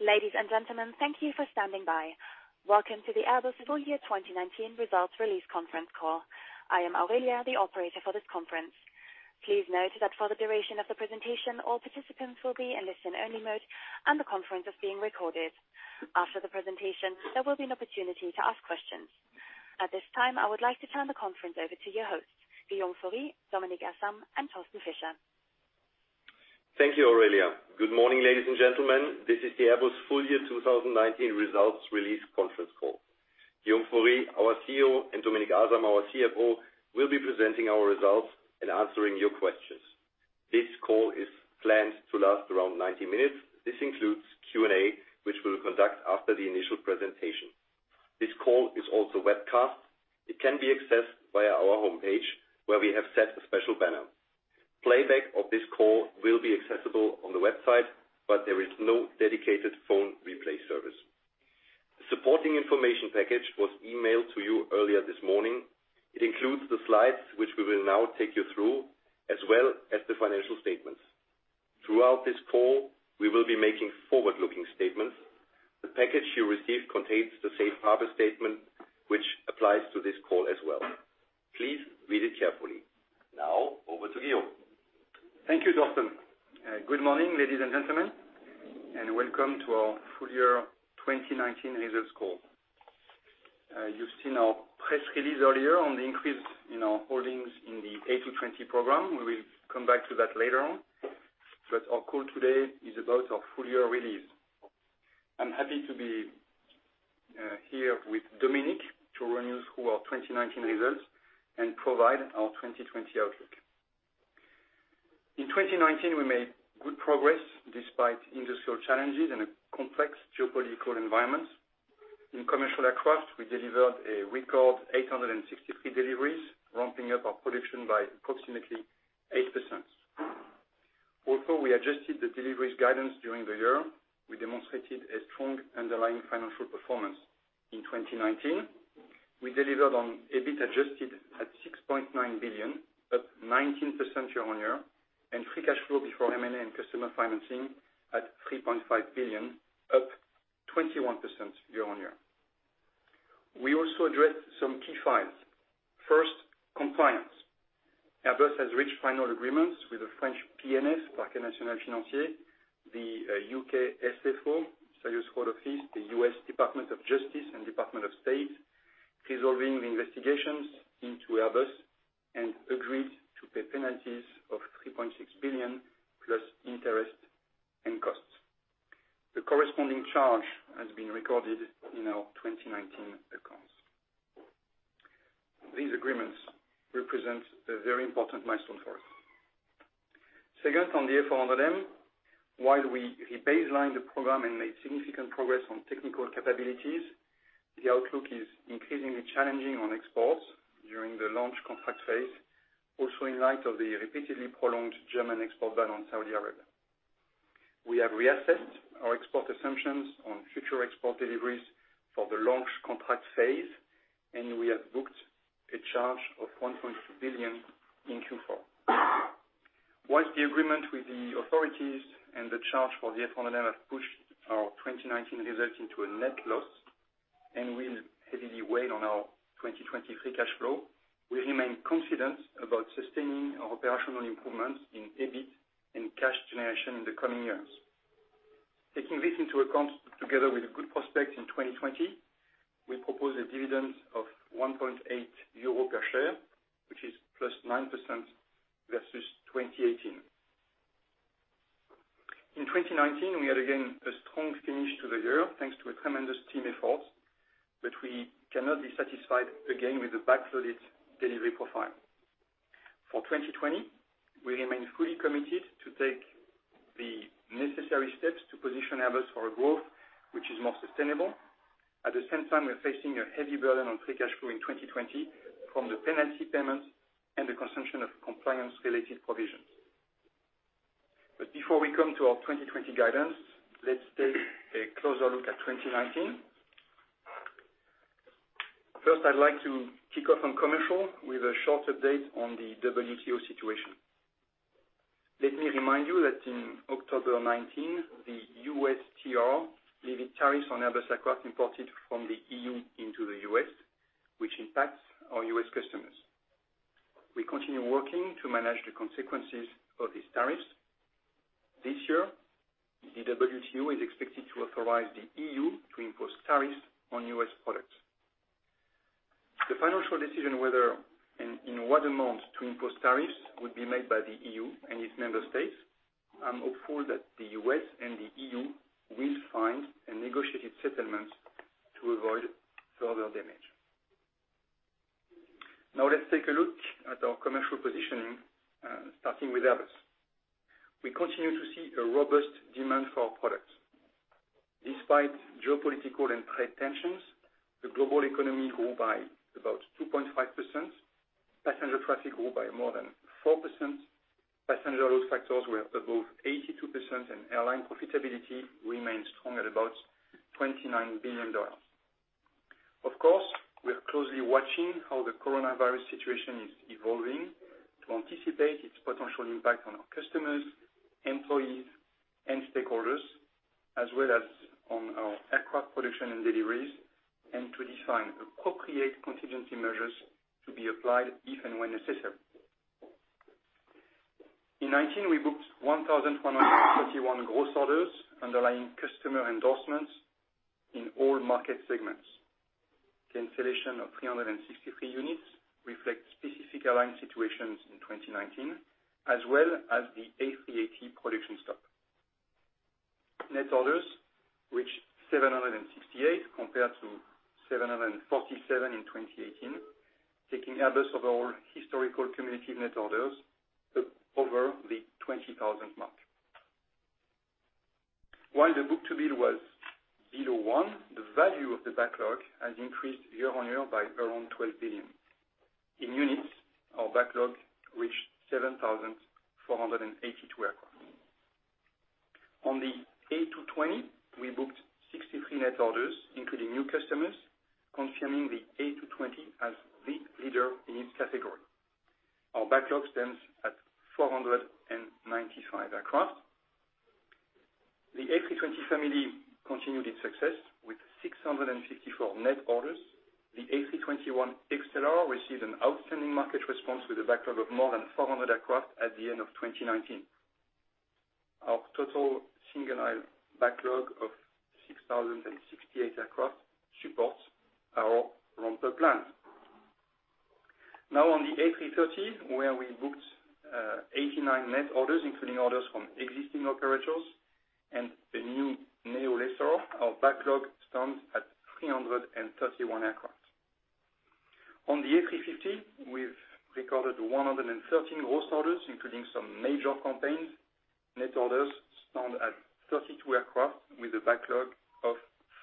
Ladies and gentlemen, thank you for standing by. Welcome to the Airbus Full Year 2019 Results Release Conference Call. I am Aurelia, the operator for this conference. Please note that for the duration of the presentation, all participants will be in listen-only mode, and the conference is being recorded. After the presentation, there will be an opportunity to ask questions. At this time, I would like to turn the conference over to your hosts, Guillaume Faury, Dominik Asam, and Thorsten Fischer. Thank you, Aurelia. Good morning, ladies and gentlemen. This is the Airbus Full Year 2019 Results Release Conference Call. Guillaume Faury, our CEO, and Dominik Asam, our CFO, will be presenting our results and answering your questions. This call is planned to last around 90 minutes. This includes Q&A, which we will conduct after the initial presentation. This call is also webcast. It can be accessed via our homepage, where we have set a special banner. Playback of this call will be accessible on the website, but there is no dedicated phone replay service. The supporting information package was emailed to you earlier this morning. It includes the slides, which we will now take you through, as well as the financial statements. Throughout this call, we will be making forward-looking statements. The package you received contains the safe harbor statement, which applies to this call as well. Please read it carefully. Now, over to Guillaume. Thank you, Thorsten. Good morning, ladies and gentlemen, and welcome to our full year 2019 results call. You've seen our press release earlier on the increase in our holdings in the A220 program. We will come back to that later on. Our call today is about our full year release. I'm happy to be here with Dominik to run you through our 2019 results and provide our 2020 outlook. In 2019, we made good progress despite industrial challenges and a complex geopolitical environment. In commercial aircraft, we delivered a record 863 deliveries, ramping up our production by approximately 8%. Although we adjusted the deliveries guidance during the year, we demonstrated a strong underlying financial performance. In 2019, we delivered on EBIT adjusted at 6.9 billion, up 19% year-on-year, and free cash flow before M&A and customer financing at 3.5 billion, up 21% year-on-year. We also addressed some key files. First, compliance. Airbus has reached final agreements with the French PNF, Parquet National Financier, the U.K. SFO, Serious Fraud Office, the U.S. Department of Justice and United States Department of State, resolving the investigations into Airbus, and agreed to pay penalties of 3.6 billion plus interest and costs. The corresponding charge has been recorded in our 2019 accounts. These agreements represent a very important milestone for us. Second, on the A400M, while we re-baselined the program and made significant progress on technical capabilities, the outlook is increasingly challenging on exports during the launch contract phase, also in light of the repeatedly prolonged German export ban on Saudi Arabia. We have reassessed our export assumptions on future export deliveries for the launch contract phase, and we have booked a charge of 1.2 billion in Q4. Whilst the agreement with the authorities and the charge for the A400M have pushed our 2019 results into a net loss and will heavily weigh on our 2020 free cash flow, we remain confident about sustaining our operational improvements in EBIT and cash generation in the coming years. Taking this into account together with good prospects in 2020, we propose a dividend of 1.8 euro per share, which is plus 9% versus 2018. In 2019, we had again a strong finish to the year, thanks to a tremendous team effort, but we cannot be satisfied again with the back-loaded delivery profile. For 2020, we remain fully committed to take the necessary steps to position Airbus for growth, which is more sustainable. At the same time, we are facing a heavy burden on free cash flow in 2020 from the penalty payments and the consumption of compliance-related provisions. Before we come to our 2020 guidance, let's take a closer look at 2019. First, I'd like to kick off on commercial with a short update on the WTO situation. Let me remind you that in October 2019, the USTR levied tariffs on Airbus aircraft imported from the EU into the U.S., which impacts our U.S. customers. We continue working to manage the consequences of these tariffs. This year, the WTO is expected to authorize the EU to impose tariffs on U.S. products. The financial decision, whether, and in what amount to impose tariffs, would be made by the EU and its member states. I'm hopeful that the U.S. and the EU will find a negotiated settlement to avoid further damage. Let's take a look at our commercial positioning, starting with Airbus. We continue to see a robust demand for our products. Despite geopolitical and trade tensions, the global economy grew by about 2.5%, passenger traffic grew by more than 4%, passenger load factors were above 82%, and airline profitability remained strong at about EUR 29 billion. Of course, we are closely watching how the coronavirus situation is evolving to anticipate its potential impact on our customers, employees, and stakeholders, as well as on our aircraft production and deliveries, and to define appropriate contingency measures to be applied if and when necessary. In 2019, we booked 1,131 gross orders, underlying customer endorsements in all market segments. The installation of 363 units reflects specific airline situations in 2019, as well as the A380 production stock. Net orders reached 768 compared to 747 in 2018, taking others of our historical cumulative net orders over the 20,000 mark. While the book-to-bill was one, the value of the backlog has increased year-on-year by around 12 billion. In units, our backlog reached 7,482 aircraft. On the A220, we booked 63 net orders, including new customers, confirming the A220 as the leader in its category. Our backlog stands at 495 aircraft. The A320 family continued its success with 664 net orders. The A321XLR received an outstanding market response with a backlog of more than 400 aircraft at the end of 2019. Our total single-aisle backlog of 6,068 aircraft supports our ramp up plan. Now on the A330, where we booked 89 net orders, including orders from existing operators and the new Neo lessor, our backlog stands at 331 aircraft. On the A350, we've recorded 113 gross orders, including some major campaigns. Net orders stand at 32 aircraft with a backlog of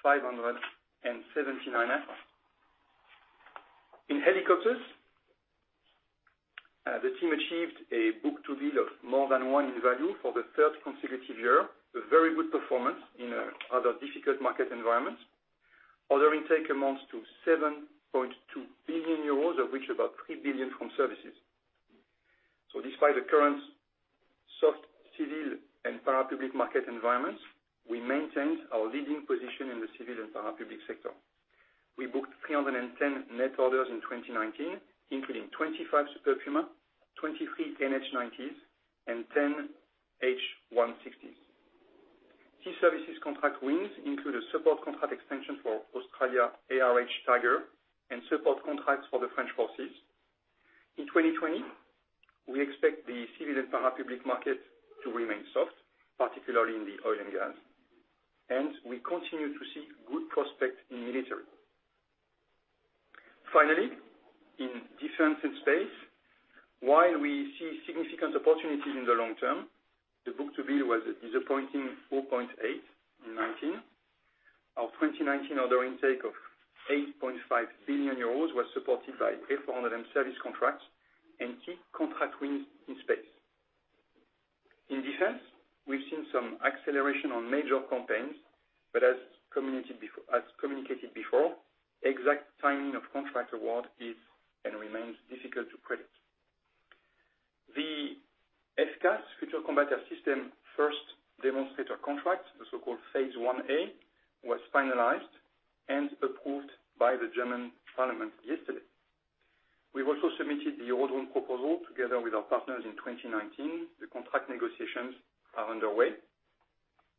579 aircraft. In helicopters, the team achieved a book-to-bill of more than one in value for the third consecutive year, a very good performance in a rather difficult market environment. Order intake amounts to 7.2 billion euros, of which about 3 billion from services. Despite the current soft civil and parapublic market environments, we maintained our leading position in the civil and parapublic sector. We booked 310 net orders in 2019, including 25 Super Puma, 23 NH90s, and 10 H160s. Key services contract wins include a support contract extension for Australia, ARH Tiger, and support contracts for the French Forces. In 2020, we expect the civil and parapublic market to remain soft, particularly in the oil and gas, and we continue to see good prospects in military. Finally, in Defence and Space, while we see significant opportunities in the long term, the book-to-bill was a disappointing 4.8 in 2019. Our 2019 order intake of 8.5 billion euros was supported by 800 service contracts and key contract wins in space. In defense, we've seen some acceleration on major campaigns, but as communicated before, exact timing of contract award is and remains difficult to predict. The FCAS Future Combat Air System first demonstrator contract, the so-called Phase 1A, was finalized and approved by the German parliament yesterday. We've also submitted the order proposal together with our partners in 2019. The contract negotiations are underway.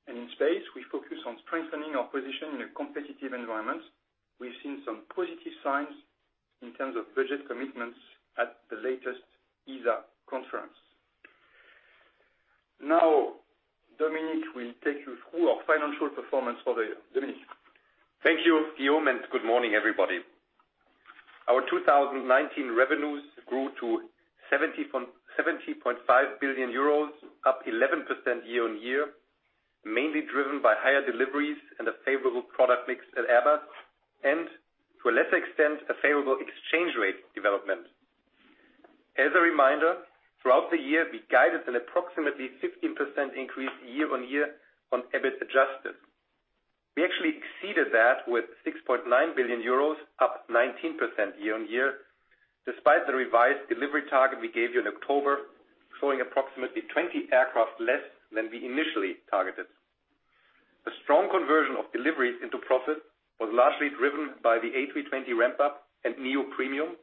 In space, we focus on strengthening our position in a competitive environment. We've seen some positive signs in terms of budget commitments at the latest ESA conference. Now, Dominik will take you through our financial performance for the year. Dominik? Thank you, Guillaume, good morning, everybody. Our 2019 revenues grew to 70.5 billion euros, up 11% year-on-year, mainly driven by higher deliveries and a favorable product mix at Airbus, and to a lesser extent, a favorable exchange rate development. As a reminder, throughout the year, we guided an approximately 15% increase year-on-year on EBIT adjusted. We actually exceeded that with 6.9 billion euros, up 19% year-on-year, despite the revised delivery target we gave you in October, showing approximately 20 aircraft less than we initially targeted. The strong conversion of deliveries into profit was largely driven by the A320 ramp-up and neo premium,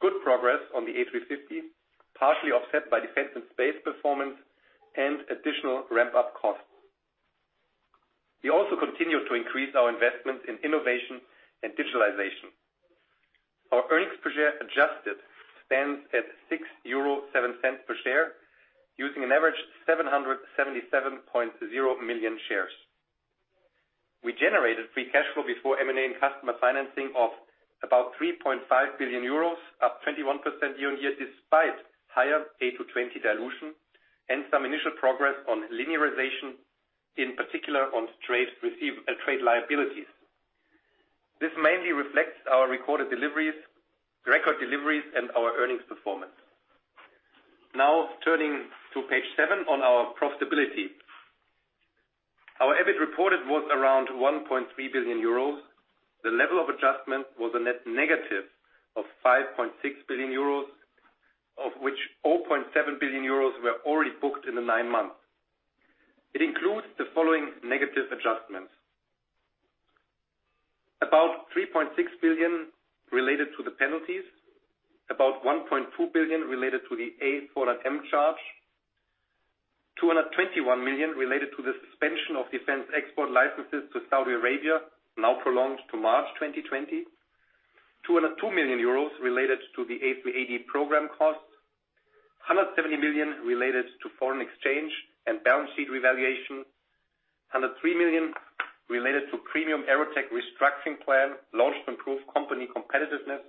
good progress on the A350, partially offset by Defense and Space performance, and additional ramp-up costs. We also continued to increase our investment in innovation and digitalization. Our earnings per share adjusted stands at 6.07 euro per share, using an average 777.0 million shares. We generated free cash flow before M&A and customer financing of about 3.5 billion euros, up 21% year-over-year, despite higher A220 dilution and some initial progress on linearization, in particular on trade receive and trade liabilities. This mainly reflects our record deliveries and our earnings performance. Turning to page seven on our profitability. Our EBIT reported was around 1.3 billion euros. The level of adjustment was a net negative of 5.6 billion euros, of which 0.7 billion euros were already booked in the nine months. It includes the following negative adjustments. About 3.6 billion related to the penalties. About 1.2 billion related to the A400M charge. 221 million related to the suspension of defense export licenses to Saudi Arabia, now prolonged to March 2020. 202 million euros related to the A380 program costs. 170 million related to foreign exchange and balance sheet revaluation. 103 million related to Premium AEROTEC restructuring plan launched to improve company competitiveness.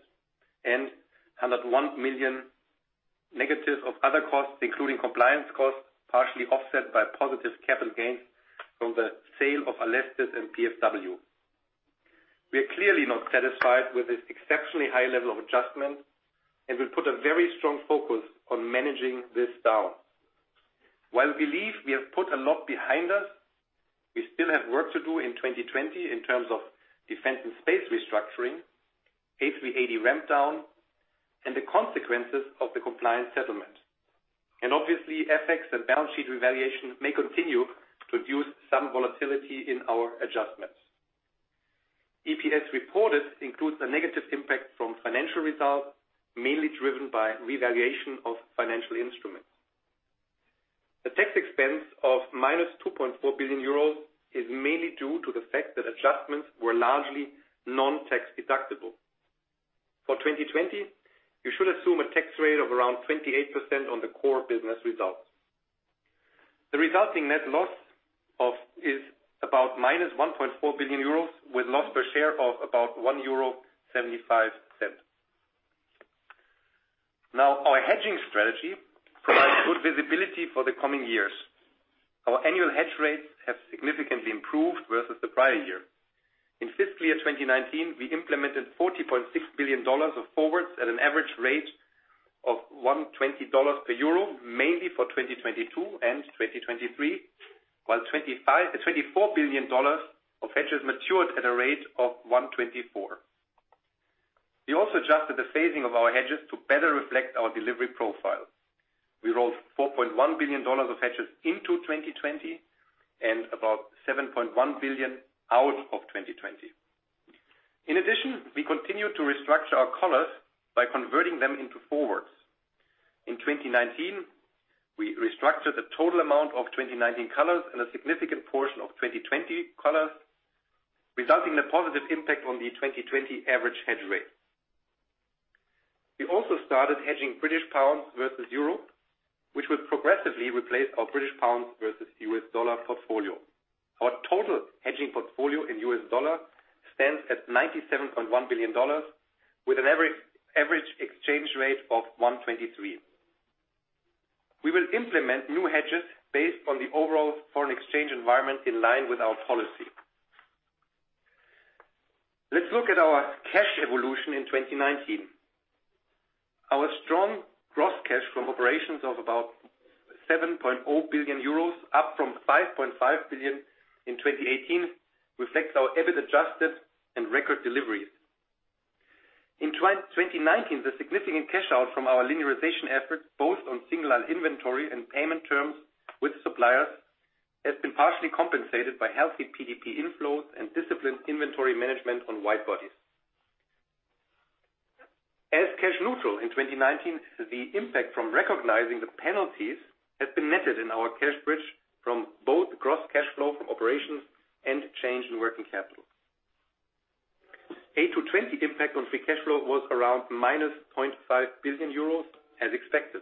101 million negative of other costs, including compliance costs, partially offset by positive capital gains from the sale of Alestis and PSW. We are clearly not satisfied with this exceptionally high level of adjustment and will put a very strong focus on managing this down. While we believe we have put a lot behind us, we still have work to do in 2020 in terms of Defence and Space restructuring, A380 ramp down, and the consequences of the compliance settlement. Obviously, FX and balance sheet revaluation may continue to introduce some volatility in our adjustments. EPS reported includes a negative impact from financial results, mainly driven by revaluation of financial instruments. The tax expense of minus 2.4 billion euros is mainly due to the fact that adjustments were largely non-tax deductible. For 2020, you should assume a tax rate of around 28% on the core business results. The resulting net loss is about minus 1.4 billion euros, with loss per share of about 1.75 euro. Our hedging strategy provides good visibility for the coming years. Our annual hedge rates have significantly improved versus the prior year. In fiscal year 2019, we implemented $40.6 billion of forwards at an average rate of $120 per euro, mainly for 2022 and 2023, while $24 billion of hedges matured at a rate of 124. We also adjusted the phasing of our hedges to better reflect our delivery profile. We rolled $4.1 billion of hedges into 2020 and about 7.1 billion out of 2020. In addition, we continued to restructure our collars by converting them into forwards. In 2019, we restructured the total amount of 2019 collars and a significant portion of 2020 collars, resulting in a positive impact on the 2020 average hedge rate. We also started hedging British pounds versus euro, which will progressively replace our British pounds versus US dollar portfolio. Our total hedging portfolio in US dollar stands at $97.1 billion, with an average exchange rate of 123. We will implement new hedges based on the overall foreign exchange environment in line with our policy. Let's look at our cash evolution in 2019. Our strong gross cash from operations of about 7.0 billion euros, up from 5.5 billion in 2018, reflects our EBIT adjusted and record deliveries. In 2019, the significant cash out from our linearization efforts, both on single inventory and payment terms with suppliers, has been partially compensated by healthy PDP inflows and disciplined inventory management on wide-bodies. As cash neutral in 2019, the impact from recognizing the penalties has been netted in our cash bridge from both gross cash flow from operations and change in working capital. A220 impact on free cash flow was around minus 0.5 billion euros as expected.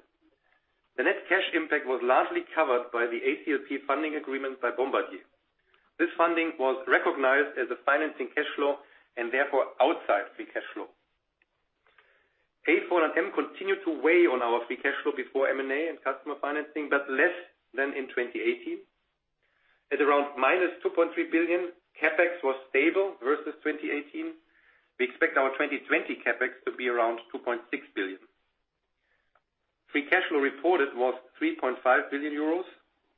The net cash impact was largely covered by the ACLP funding agreement by Bombardier. This funding was recognized as a financing cash flow and therefore outside free cash flow. A400M continued to weigh on our free cash flow before M&A and customer financing, but less than in 2018. At around minus 2.3 billion, CapEx was stable versus 2018. We expect our 2020 CapEx to be around 2.6 billion. Free cash flow reported was 3.5 billion euros.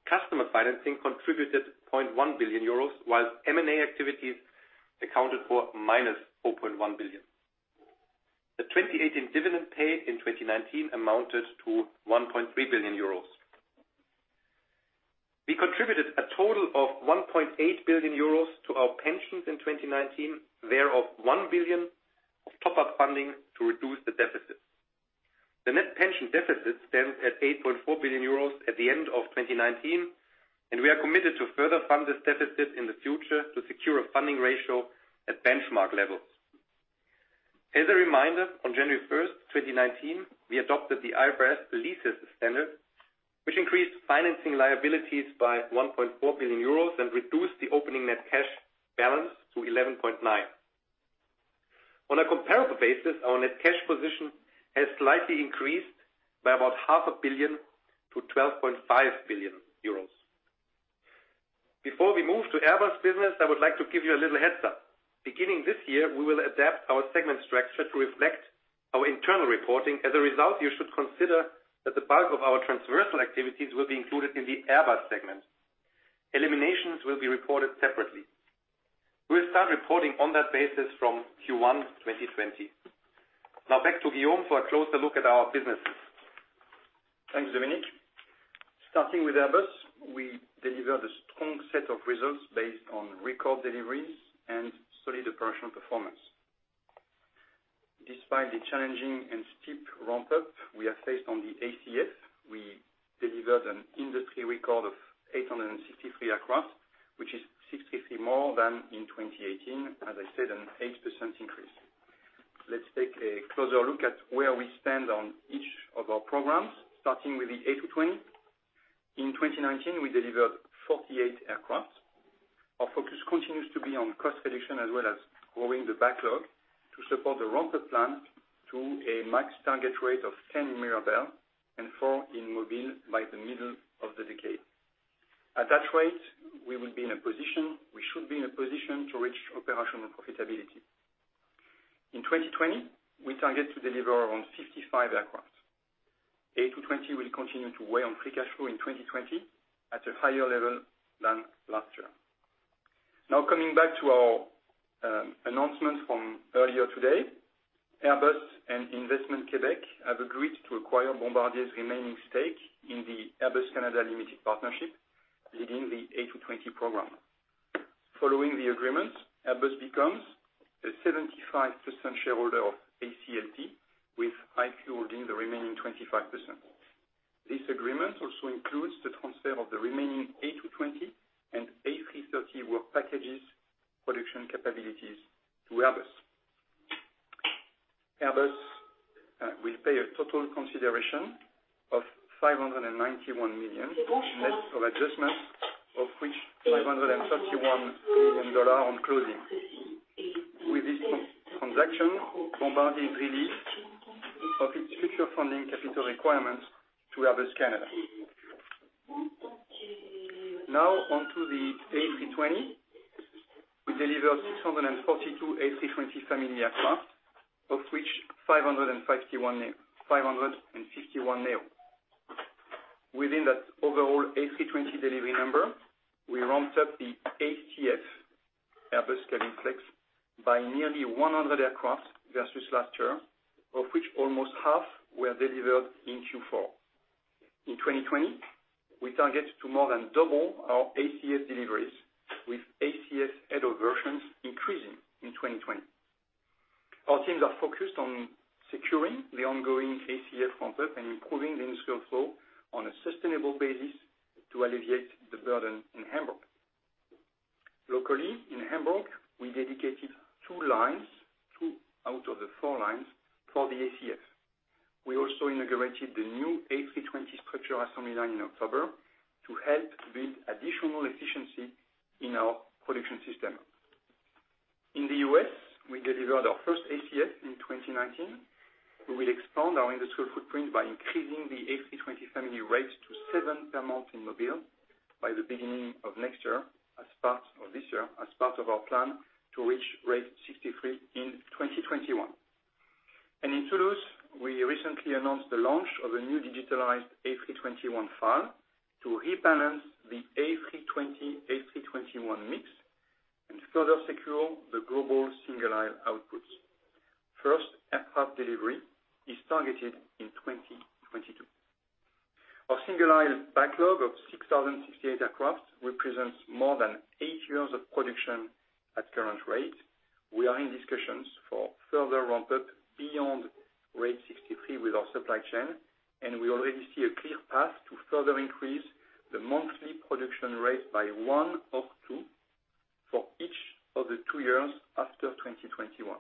Customer financing contributed 0.1 billion euros, whilst M&A activities accounted for minus 4.1 billion. The 2018 dividend paid in 2019 amounted to 1.3 billion euros. We contributed a total of 1.8 billion euros to our pensions in 2019, thereof, 1 billion of top-up funding to reduce the deficit. The net pension deficit stands at 8.4 billion euros at the end of 2019, and we are committed to further fund this deficit in the future to secure a funding ratio at benchmark levels. As a reminder, on January 1st, 2019, we adopted the IFRS leases standard, which increased financing liabilities by 1.4 billion euros and reduced the opening net cash balance to 11.9 billion. On a comparable basis, our net cash position has slightly increased by about 500 million-12.5 billion euros. Before we move to Airbus business, I would like to give you a little heads-up. Beginning this year, we will adapt our segment structure to reflect our internal reporting. As a result, you should consider that the bulk of our transversal activities will be included in the Airbus segment. Eliminations will be reported separately. We'll start reporting on that basis from Q1 2020. Back to Guillaume for a closer look at our businesses. Thanks, Dominik. Starting with Airbus, we delivered a strong set of results based on record deliveries and solid operational performance. Despite the challenging and steep ramp-up we have faced on the ACF, we delivered an industry record of 863 aircraft, which is 63 more than in 2018, as I said, an 8% increase. Let's take a closer look at where we stand on each of our programs, starting with the A220. In 2019, we delivered 48 aircraft. Our focus continues to be on cost reduction as well as growing the backlog to support the ramp-up plan to a max target rate of 10 in Mirabel and four in Mobile by the middle of the decade. At that rate, we should be in a position to reach operational profitability. In 2020, we target to deliver around 55 aircraft. A220 will continue to weigh on free cash flow in 2020 at a higher level than last year. Coming back to our announcement from earlier today, Airbus and Investissement Québec have agreed to acquire Bombardier's remaining stake in the Airbus Canada Limited Partnership leading the A220 program. Following the agreement, Airbus becomes a 75% shareholder of ACLP, with IQ holding the remaining 25%. This agreement also includes the transfer of the remaining A220 and A330 work packages production capabilities to Airbus. Airbus will pay a total consideration of 591 million net of adjustments, of which EUR 531 million on closing. With this transaction, Bombardier is released of its future funding capital requirements to Airbus Canada. Onto the A320. We delivered 642 A320 family aircraft, of which 551 neo. Within that overall A320 delivery number, we ramped up the ACF, Airbus Cabin Flex, by nearly 100 aircraft versus last year, of which almost half were delivered in Q4. In 2020, we target to more than double our ACF deliveries, with ACF add-on versions increasing in 2020. Our teams are focused on securing the ongoing ACF ramp-up and improving the industrial flow on a sustainable basis to alleviate the burden in Hamburg. Locally, in Hamburg, we dedicated 2 lines, 2 out of the 4 lines, for the ACF. We also inaugurated the new A320 structural assembly line in October to help build additional efficiency in our production system. In the U.S., we delivered our first ACF in 2019. We will expand our industrial footprint by increasing the A320 family rates to seven per month in Mobile by the beginning of this year, as part of our plan to reach rate 63 in 2021. In Toulouse, we recently announced the launch of a new digitalized A321 FAL to rebalance the A320/A321 mix and further secure the global single-aisle outputs. First aircraft delivery is targeted in 2022. Our single-aisle backlog of 6,068 aircraft represents more than eight years of production at current rate. We are in discussions for further ramp-up beyond rate 63 with our supply chain, and we already see a clear path to further increase the monthly production rate by one or two for each of the two years after 2021.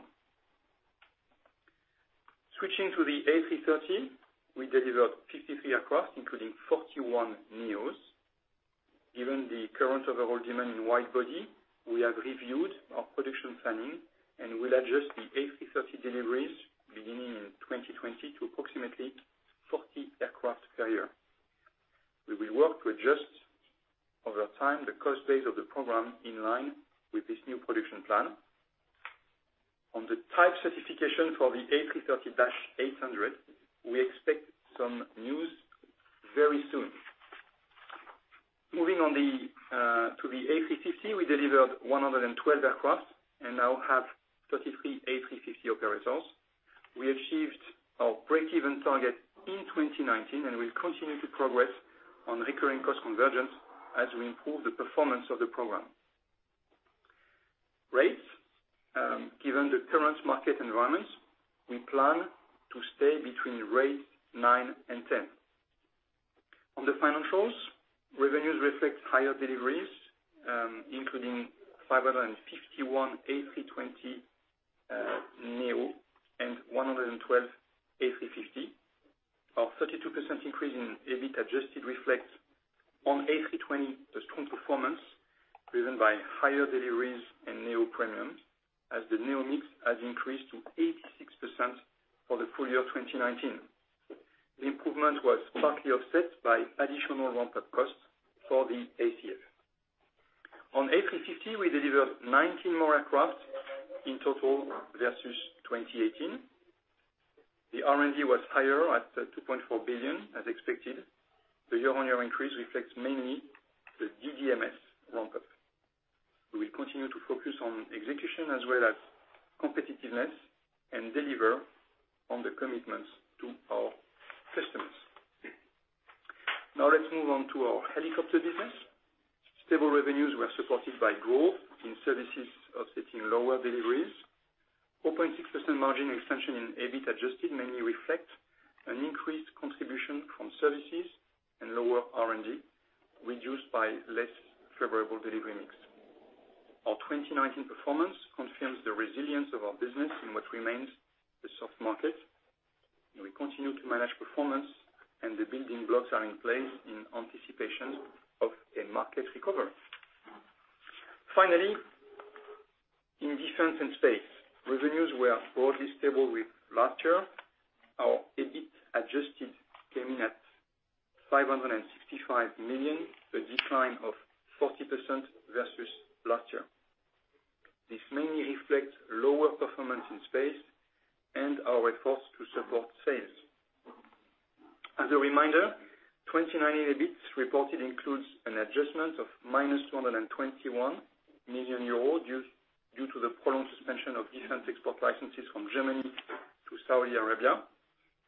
Switching to the A330, we delivered 53 aircraft, including 41neos. Given the current overall demand in wide-body, we have reviewed our production planning and will adjust the A330 deliveries beginning in 2020 to approximately 40 aircraft per year. We will work to adjust over time the cost base of the program in line with this new production plan. On the type certification for the A330-800, we expect some news very soon. Moving on to the A350, we delivered 112 aircraft and now have 33 A350 operators. We achieved our break-even target in 2019, and we've continued to progress on recurring cost convergence as we improve the performance of the program. Rates, given the current market environment, we plan to stay between rate 7 and 10. On the financials, revenues reflect higher deliveries, including 551 A320neo and 112 A350. Our 32% increase in EBIT adjusted reflects on A320, the strong performance driven by higher deliveries and neo premiums as the neo mix has increased to 86% for the full year 2019. The improvement was partly offset by additional ramp-up costs for the A350. On A350, we delivered 19 more aircraft in total versus 2018. The R&D was higher at 2.4 billion, as expected. The year-on-year increase reflects mainly the DDMS ramp-up. We will continue to focus on execution as well as competitiveness, and deliver on the commitments to our customers. Let's move on to our helicopter business. Stable revenues were supported by growth in services offsetting lower deliveries. 4.6% margin expansion in EBIT adjusted mainly reflect an increased contribution from services and lower R&D, reduced by less favorable delivery mix. Our 2019 performance confirms the resilience of our business in what remains the soft market. We continue to manage performance, and the building blocks are in place in anticipation of a market recovery. Finally, in Defence and Space, revenues were broadly stable with last year. Our EBIT adjusted came in at 565 million, a decline of 40% versus last year. This mainly reflects lower performance in space and our efforts to support sales. As a reminder, 2019 EBIT reported includes an adjustment of minus 221 million euros due to the prolonged suspension of defense export licenses from Germany to Saudi Arabia,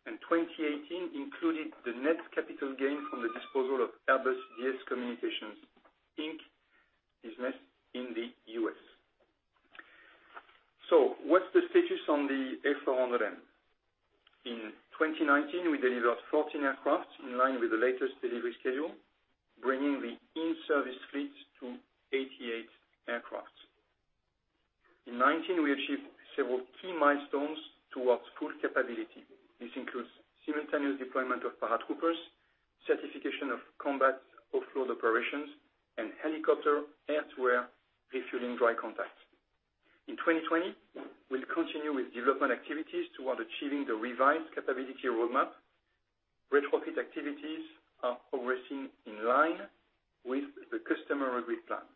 and 2018 included the net capital gain from the disposal of Airbus DS Communications, Inc. business in the U.S. What's the status on the A400M? In 2019, we delivered 14 aircraft in line with the latest delivery schedule, bringing the in-service fleet to 88 aircraft. In 2019, we achieved several key milestones towards full capability. This includes simultaneous deployment of paratroopers, certification of combat offload operations, and helicopter air-to-air refueling dry contacts. In 2020, we will continue with development activities toward achieving the revised capability roadmap. Retrofit activities are progressing in line with the customer agreed plan.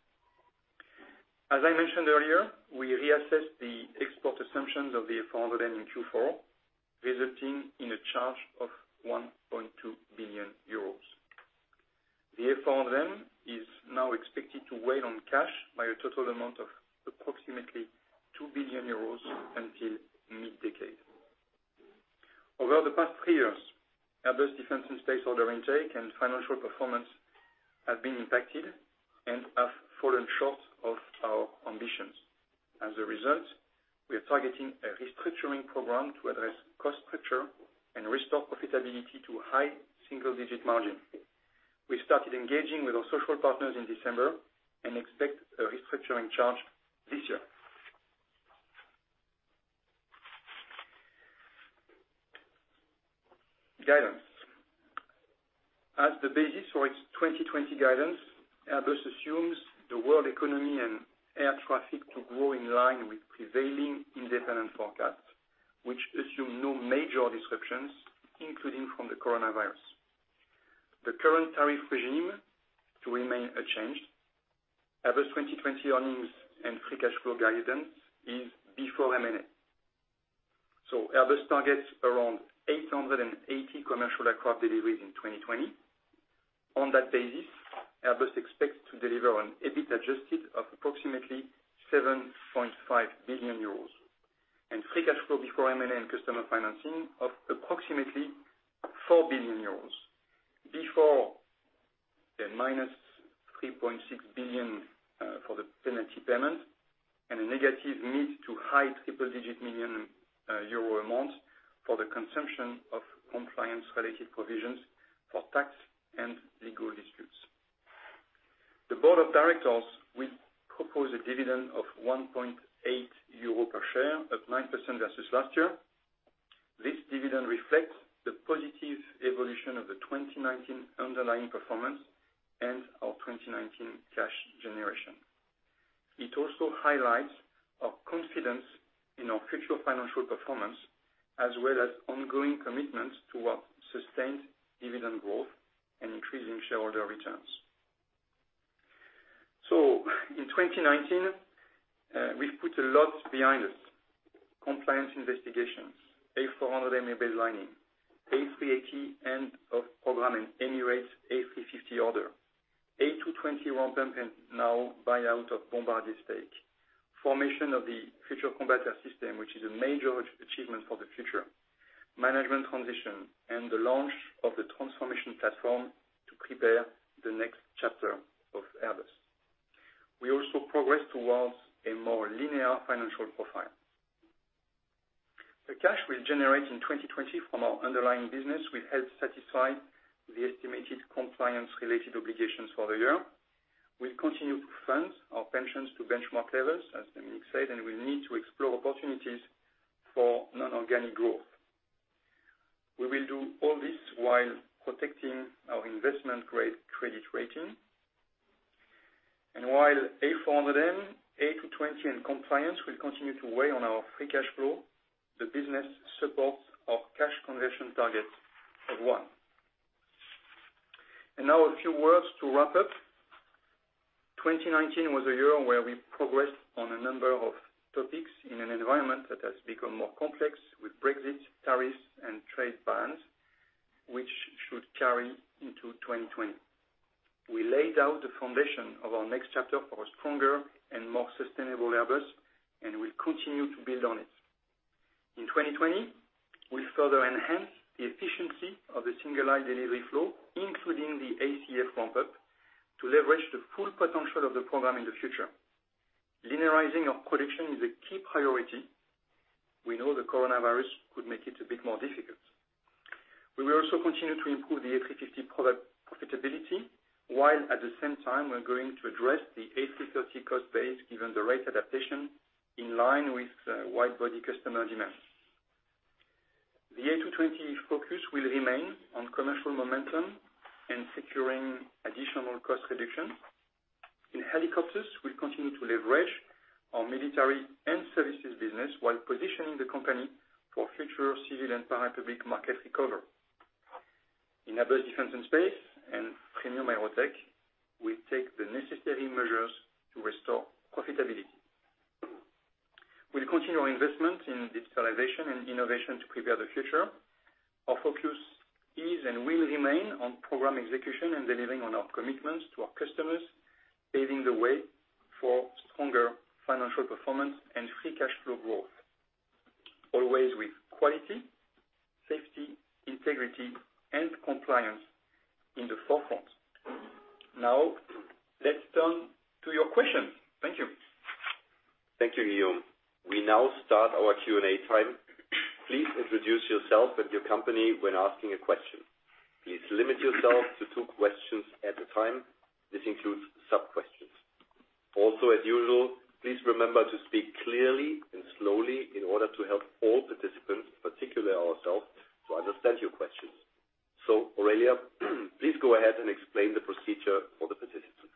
As I mentioned earlier, we reassessed the export assumptions of the A400M in Q4, resulting in a charge of 1.2 billion euros. The A400M is now expected to weigh on cash by a total amount of approximately 2 billion euros until mid-decade. Over the past three years, Airbus Defence and Space order intake and financial performance have been impacted and have fallen short of our ambitions. As a result, we are targeting a restructuring program to address cost structure and restore profitability to high single-digit margin. We started engaging with our social partners in December and expect a restructuring charge this year. Guidance. As the basis for its 2020 guidance, Airbus assumes the world economy and air traffic to grow in line with prevailing independent forecasts, which assume no major disruptions, including from the coronavirus. The current tariff regime to remain unchanged. Airbus 2020 earnings and free cash flow guidance is before M&A. Airbus targets around 880 commercial aircraft deliveries in 2020. On that basis, Airbus expects to deliver an EBIT adjusted of approximately 7.5 billion euros, and free cash flow before M&A and customer financing of approximately 4 billion euros. Before the minus 3.6 billion for the penalty payment and a negative mid-to-high triple-digit million EUR amount for the consumption of compliance-related provisions for tax and legal disputes. The board of directors will propose a dividend of 1.8 euro per share, up 9% versus last year. This dividend reflects the positive evolution of the 2019 underlying performance and our 2019 cash generation. It also highlights our confidence in our future financial performance, as well as ongoing commitments towards sustained dividend growth and increasing shareholder returns. In 2019, we've put a lot behind us. Compliance investigations, A400M baselining, A380 end of program and Emirates A350 order, A220 ramp-up and now buyout of Bombardier stake, formation of the Future Combat Air System, which is a major achievement for the future, management transition, and the launch of the transformation platform to prepare the next chapter of Airbus. We also progress towards a more linear financial profile. The cash we generate in 2020 from our underlying business will help satisfy the estimated compliance-related obligations for the year. We'll continue to fund our pensions to benchmark levels, as Dominik said, and we need to explore opportunities for non-organic growth. We will do all this while protecting our investment-grade credit rating. While A400M, A220, and compliance will continue to weigh on our free cash flow, the business supports our cash conversion target of one. Now a few words to wrap up. 2019 was a year where we progressed on a number of topics in an environment that has become more complex with Brexit, tariffs, and trade bans, which should carry into 2020. We laid out the foundation of our next chapter for a stronger and more sustainable Airbus, and we'll continue to build on it. In 2020, we'll further enhance the efficiency of the single-aisle delivery flow, including the ACF ramp-up, to leverage the full potential of the program in the future. Linearizing of production is a key priority. We know the coronavirus could make it a bit more difficult. We will also continue to improve the A350 profitability, while at the same time, we're going to address the A330 cost base given the rate adaptation in line with wide-body customer demand. The A220 focus will remain on commercial momentum and securing additional cost reductions. In helicopters, we'll continue to leverage our military and services business while positioning the company for future civil and parapublic market recovery. In Airbus Defence and Space and Premium AEROTEC, we take the necessary measures to restore profitability. We'll continue our investment in digitalization and innovation to prepare the future. Our focus is and will remain on program execution and delivering on our commitments to our customers, paving the way for stronger financial performance and free cash flow growth, always with quality, safety, integrity, and compliance in the forefront. Now, let's turn to your questions. Thank you. Thank you, Guillaume. We now start our Q&A time. Please introduce yourself and your company when asking a question. Please limit yourself to two questions at a time. This includes sub-questions. As usual, please remember to speak clearly and slowly in order to help all participants, particularly ourselves, to understand your questions. Aurelia, please go ahead and explain the procedure for the participants.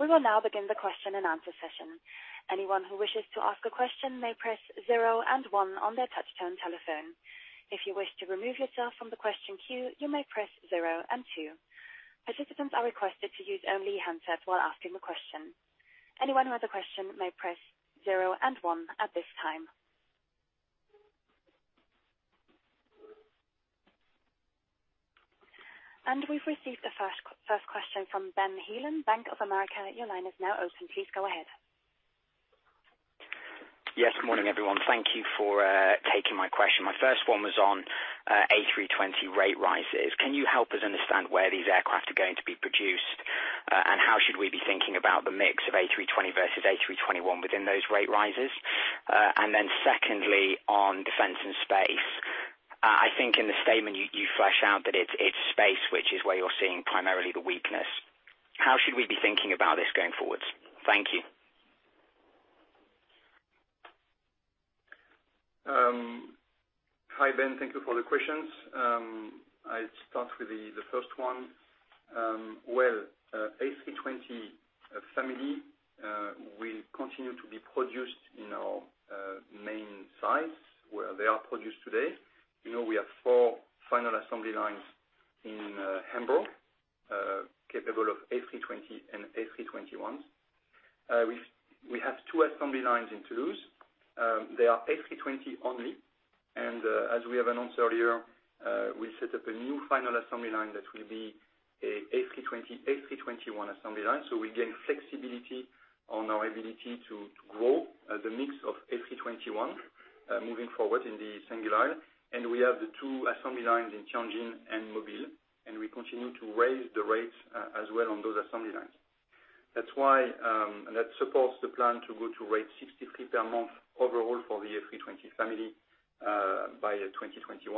We will now begin the question and answer session. Anyone who wishes to ask a question may press zero and one on their touchtone telephone. If you wish to remove yourself from the question queue, you may press zero and two. Participants are requested to use only handsets while asking the question. Anyone who has a question may press zero and one at this time. We've received the first question from Benjamin Heelan, Bank of America. Your line is now open. Please go ahead. Yes, good morning, everyone. Thank you for taking my question. My first one was on A320 rate rises. Can you help us understand where these aircraft are going to be produced? How should we be thinking about the mix of A320 versus A321 within those rate rises? Secondly, on Defence and Space. I think in the statement, you flesh out that it's space which is where you're seeing primarily the weakness. How should we be thinking about this going forward? Thank you. Hi, Ben. Thank you for the questions. I'll start with the first one. Well, A320 family will continue to be produced in our main sites where they are produced today. We have four final assembly lines in Hamburg, capable of A320 and A321s. We have two assembly lines in Toulouse. They are A320 only. As we have announced earlier, we set up a new final assembly line that will be a A320, A321 assembly line. We gain flexibility on our ability to grow the mix of A321 moving forward in the single aisle, and we have the two assembly lines in Tianjin and Mobile, and we continue to raise the rates as well on those assembly lines. That supports the plan to go to rate 63 per month overall for the A320 family by 2021,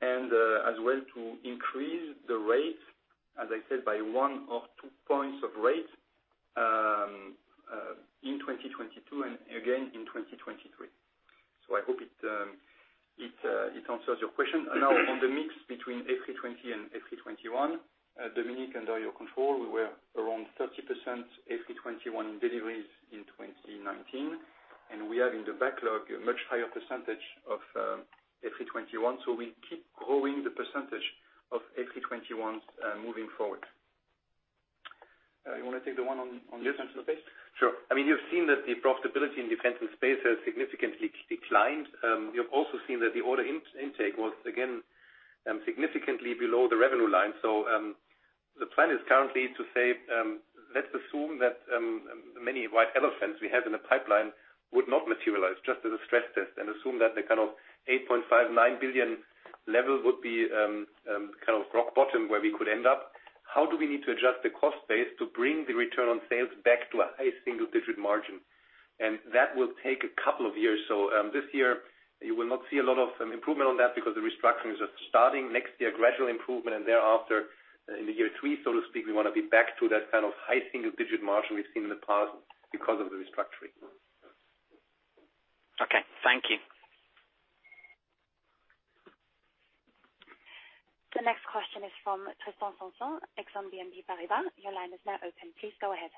and as well to increase the rate, as I said, by one or two points of rate in 2022 and again in 2023. I hope it answers your question. Now, on the mix between A320 and A321, Dominik, under your control, we were around 30% A321 deliveries in 2019, and we have in the backlog a much higher percentage of A321. We keep growing the percentage of A321s moving forward. You want to take the one on Defence and Space? Sure. You've seen that the profitability in Defense and Space has significantly declined. You've also seen that the order intake was, again, significantly below the revenue line. The plan is currently to say, let's assume that many white elephants we have in the pipeline would not materialize, just as a stress test, and assume that the kind of 8.59 billion level would be rock bottom where we could end up. How do we need to adjust the cost base to bring the return on sales back to a high single-digit margin? That will take a couple of years. This year, you will not see a lot of improvement on that because the restructuring is just starting. Next year, gradual improvement. Thereafter, in the year three, so to speak, we want to be back to that kind of high single-digit margin we've seen in the past because of the restructuring. The next question is from Tristan Sanson, Exane BNP Paribas. Your line is now open. Please go ahead.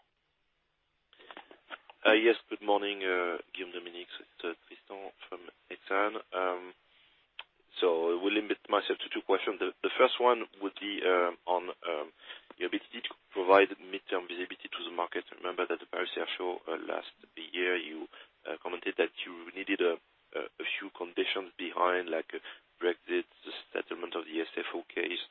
Yes. Good morning, Guillaume, Dominik. It's Tristan from Exane. I will limit myself to two questions. The first one would be on your ability to provide midterm visibility to the market. Remember that at the Paris Air Show last year, you commented that you needed a few conditions behind, like Brexit, the settlement of the SFO case,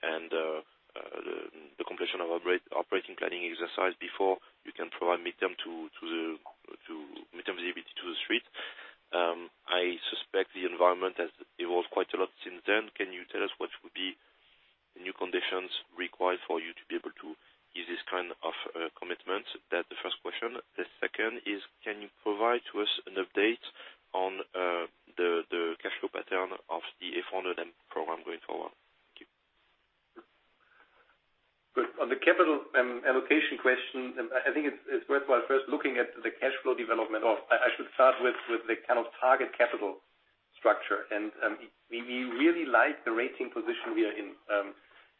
and the completion of operating planning exercise before you can provide midterm visibility to The Street. I suspect the environment has evolved quite a lot since then. Can you tell us what would be the new conditions required for you to be able to use this kind of commitment? That the first question. The second is can you provide to us an update on the cash flow pattern of the A400M program going forward? Thank you. On the capital allocation question, I think it's worthwhile first looking at the cash flow development. I should start with the kind of target capital structure. We really like the rating position we are in.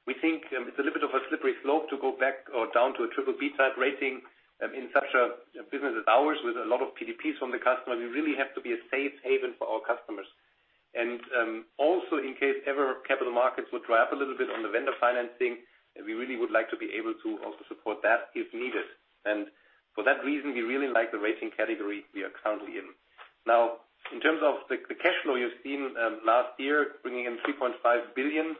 We think it's a little bit of a slippery slope to go back or down to a triple B type rating in such a business as ours with a lot of PDPs from the customer. We really have to be a safe haven for our customers. Also in case ever capital markets would dry up a little bit on the vendor financing, we really would like to be able to also support that if needed. For that reason, we really like the rating category we are currently in. In terms of the cash flow you've seen last year, bringing in 3.5 billion,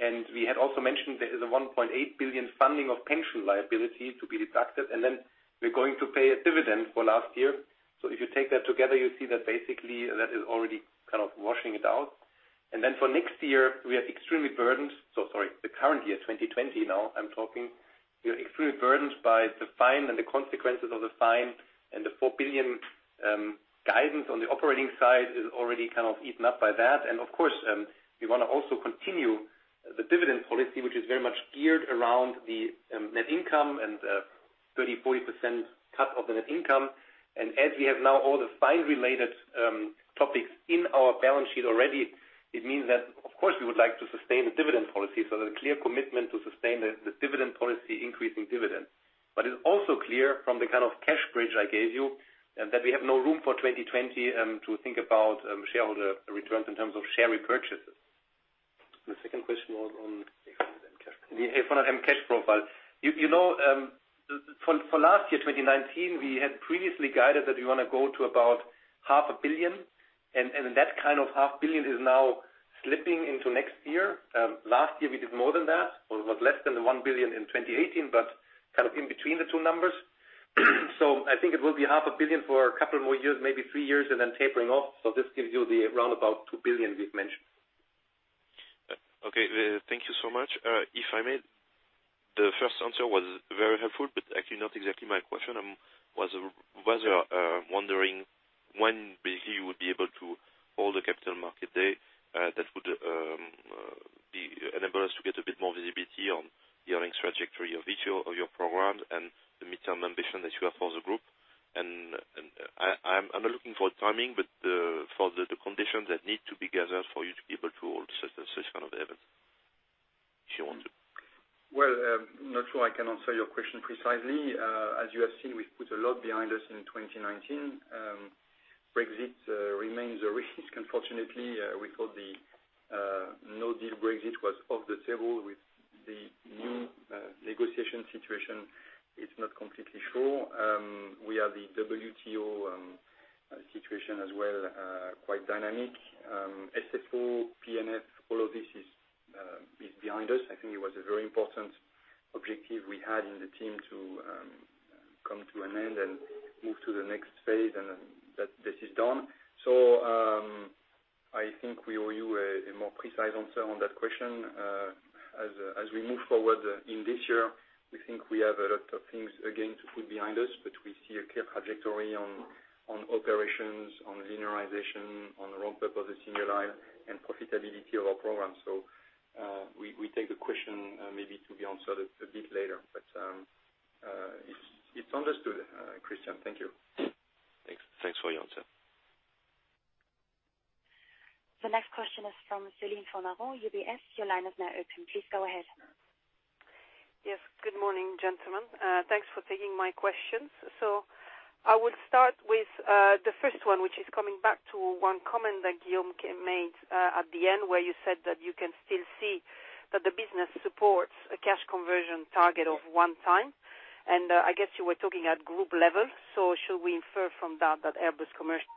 and we had also mentioned there is a 1.8 billion funding of pension liability to be deducted, and then we're going to pay a dividend for last year. If you take that together, you see that basically that is already kind of washing it out. For next year, we are extremely burdened. Sorry. The current year, 2020 now, I'm talking. We are extremely burdened by the fine and the consequences of the fine and the 4 billion guidance on the operating side is already kind of eaten up by that. Of course, we want to also continue the dividend policy, which is very much geared around the net income and 30%-40% cut of the net income. As we have now all the fine related topics in our balance sheet already, it means that, of course, we would like to sustain the dividend policy. There's a clear commitment to sustain the dividend policy increase in dividend. It's also clear from the kind of cash bridge I gave you that we have no room for 2020 to think about shareholder returns in terms of share repurchases. The second question was on A400M cash profile. The A400M cash profile. For last year, 2019, we had previously guided that we want to go to about 500 billion, and that kind of 500 million is now slipping into next year. Last year we did more than that. Well, it was less than the 1 billion in 2018, but kind of in between the two numbers. I think it will be 500 billion for a couple more years, maybe three years, and then tapering off. This gives you the roundabout 2 billion we've mentioned. Okay. Thank you so much. If I may, the first answer was very helpful, actually not exactly my question. I was rather wondering when you would be able to hold a capital market day that would enable us to get a bit more visibility on the earnings trajectory of each of your programs and the midterm ambition that you have for the group. I'm not looking for timing, but for the conditions that need to be gathered for you to be able to hold such an event if you want to. I'm not sure I can answer your question precisely. As you have seen, we've put a lot behind us in 2019. Brexit remains a risk, unfortunately. We thought the no-deal Brexit was off the table with the new negotiation situation. It's not completely sure. We have the WTO situation as well, quite dynamic. SFO, PNF, all of this is behind us. I think it was a very important objective we had in the team to come to an end and move to the next phase and that this is done. I think we owe you a more precise answer on that question. As we move forward in this year, we think we have a lot of things again to put behind us, but we see a clear trajectory on operations, on linearization, on the ramp-up of the single aisle and profitability of our program. We take the question maybe to be answered a bit later. It's understood, Tristan. Thank you. Thanks for your answer. The next question is from Céline Fornaro, UBS. Your line is now open. Please go ahead. Yes. Good morning, gentlemen. Thanks for taking my questions. I would start with the first one, which is coming back to one comment that Guillaume made at the end where you said that you can still see that the business supports a cash conversion target of one time and I guess you were talking at group level. Should we infer from that Airbus Commercial?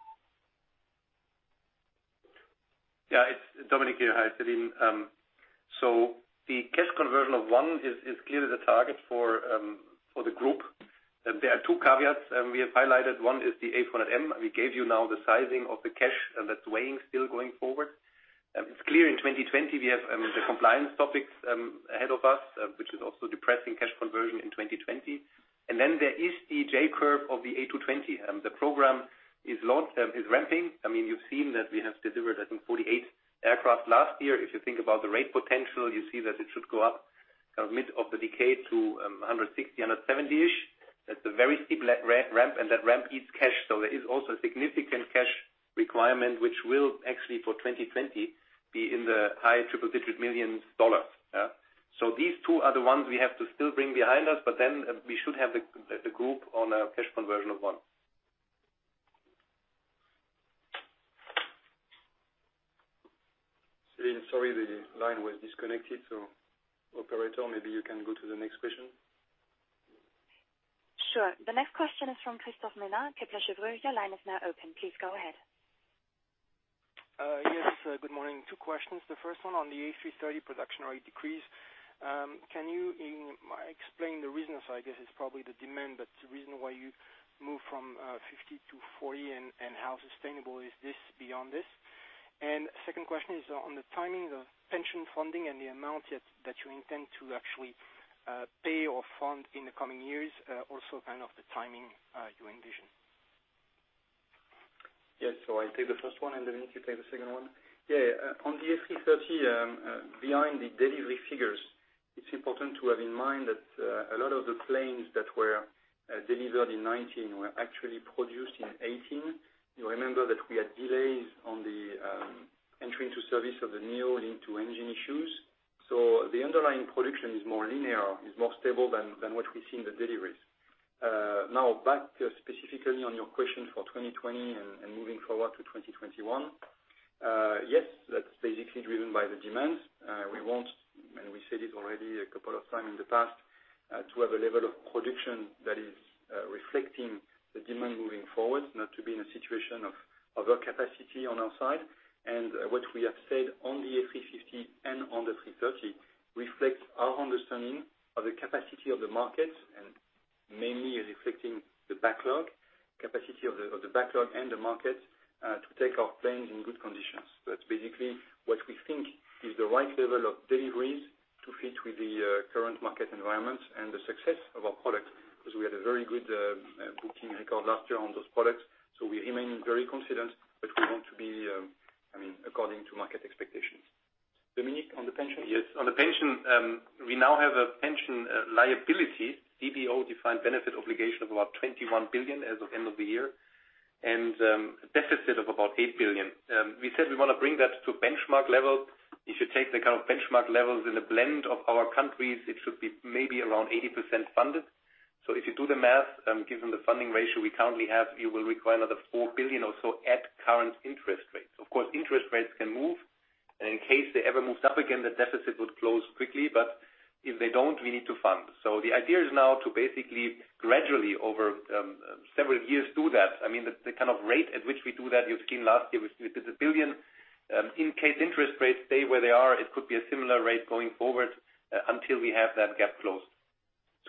Yeah, it's Dominik here. Hi, Céline. The cash conversion of one is clearly the target for the group. There are two caveats we have highlighted. One is the A400M. We gave you now the sizing of the cash that's weighing still going forward. It's clear in 2020 we have the compliance topics ahead of us, which is also depressing cash conversion in 2020. There is the J-curve of the A220. The program is ramping. You've seen that we have delivered, I think, 48 aircraft last year. If you think about the rate potential, you see that it should go up, kind of mid of the decade to 160, 170-ish. That's a very steep ramp, and that ramp is cash. There is also a significant cash requirement, which will actually for 2020 be in the high triple-digit million dollar. These two are the ones we have to still bring behind us. We should have the group on a cash conversion of one. Céline, sorry, the line was disconnected. Operator, maybe you can go to the next question. Sure. The next question is from Christophe Menard, Kepler Cheuvreux. Your line is now open. Please go ahead. Yes. Good morning. Two questions. The first one on the A330 production rate decrease. Can you explain the reason? I guess it's probably the demand, the reason why you moved from 50 to 40, how sustainable is this beyond this? Second question is on the timing of pension funding and the amount that you intend to actually pay or fund in the coming years, also kind of the timing you envision. Yes. I take the first one, and Dominik, you take the second one. On the A330, behind the delivery figures, it's important to have in mind that a lot of the planes that were delivered in 2019 were actually produced in 2018. You remember that we had delays on the entering to service of the Neo linked to engine issues. The underlying production is more linear, is more stable than what we see in the deliveries. Now back specifically on your question for 2020 and moving forward to 2021. Yes, that's basically driven by the demand. We won't, and we said it already a couple of times in the past, to have a level of production that is reflecting the demand moving forward, not to be in a situation of over capacity on our side. What we have said on the A350 and on the A330 reflects our understanding of the capacity of the market and mainly is reflecting the backlog, capacity of the backlog and the market, to take our planes in good conditions. That's basically what we think is the right level of deliveries to fit with the current market environment and the success of our product, because we had a very good booking record last year on those products. We remain very confident that we want to be according to market expectations. Dominik, on the pension. Yes. On the pension, we now have a pension liability, DBO, defined benefit obligation, of about 21 billion as of end of the year, and a deficit of about 8 billion. We said we want to bring that to benchmark level. You should take the kind of benchmark levels in a blend of our countries. It should be maybe around 80% funded. If you do the math, given the funding ratio we currently have, you will require another 4 billion or so at current interest rates. Of course, interest rates can move, and in case they ever moved up again, the deficit would close quickly. If they don't, we need to fund. The idea is now to basically gradually over several years do that. I mean, the kind of rate at which we do that, you've seen last year was 1 billion. In case interest rates stay where they are, it could be a similar rate going forward until we have that gap closed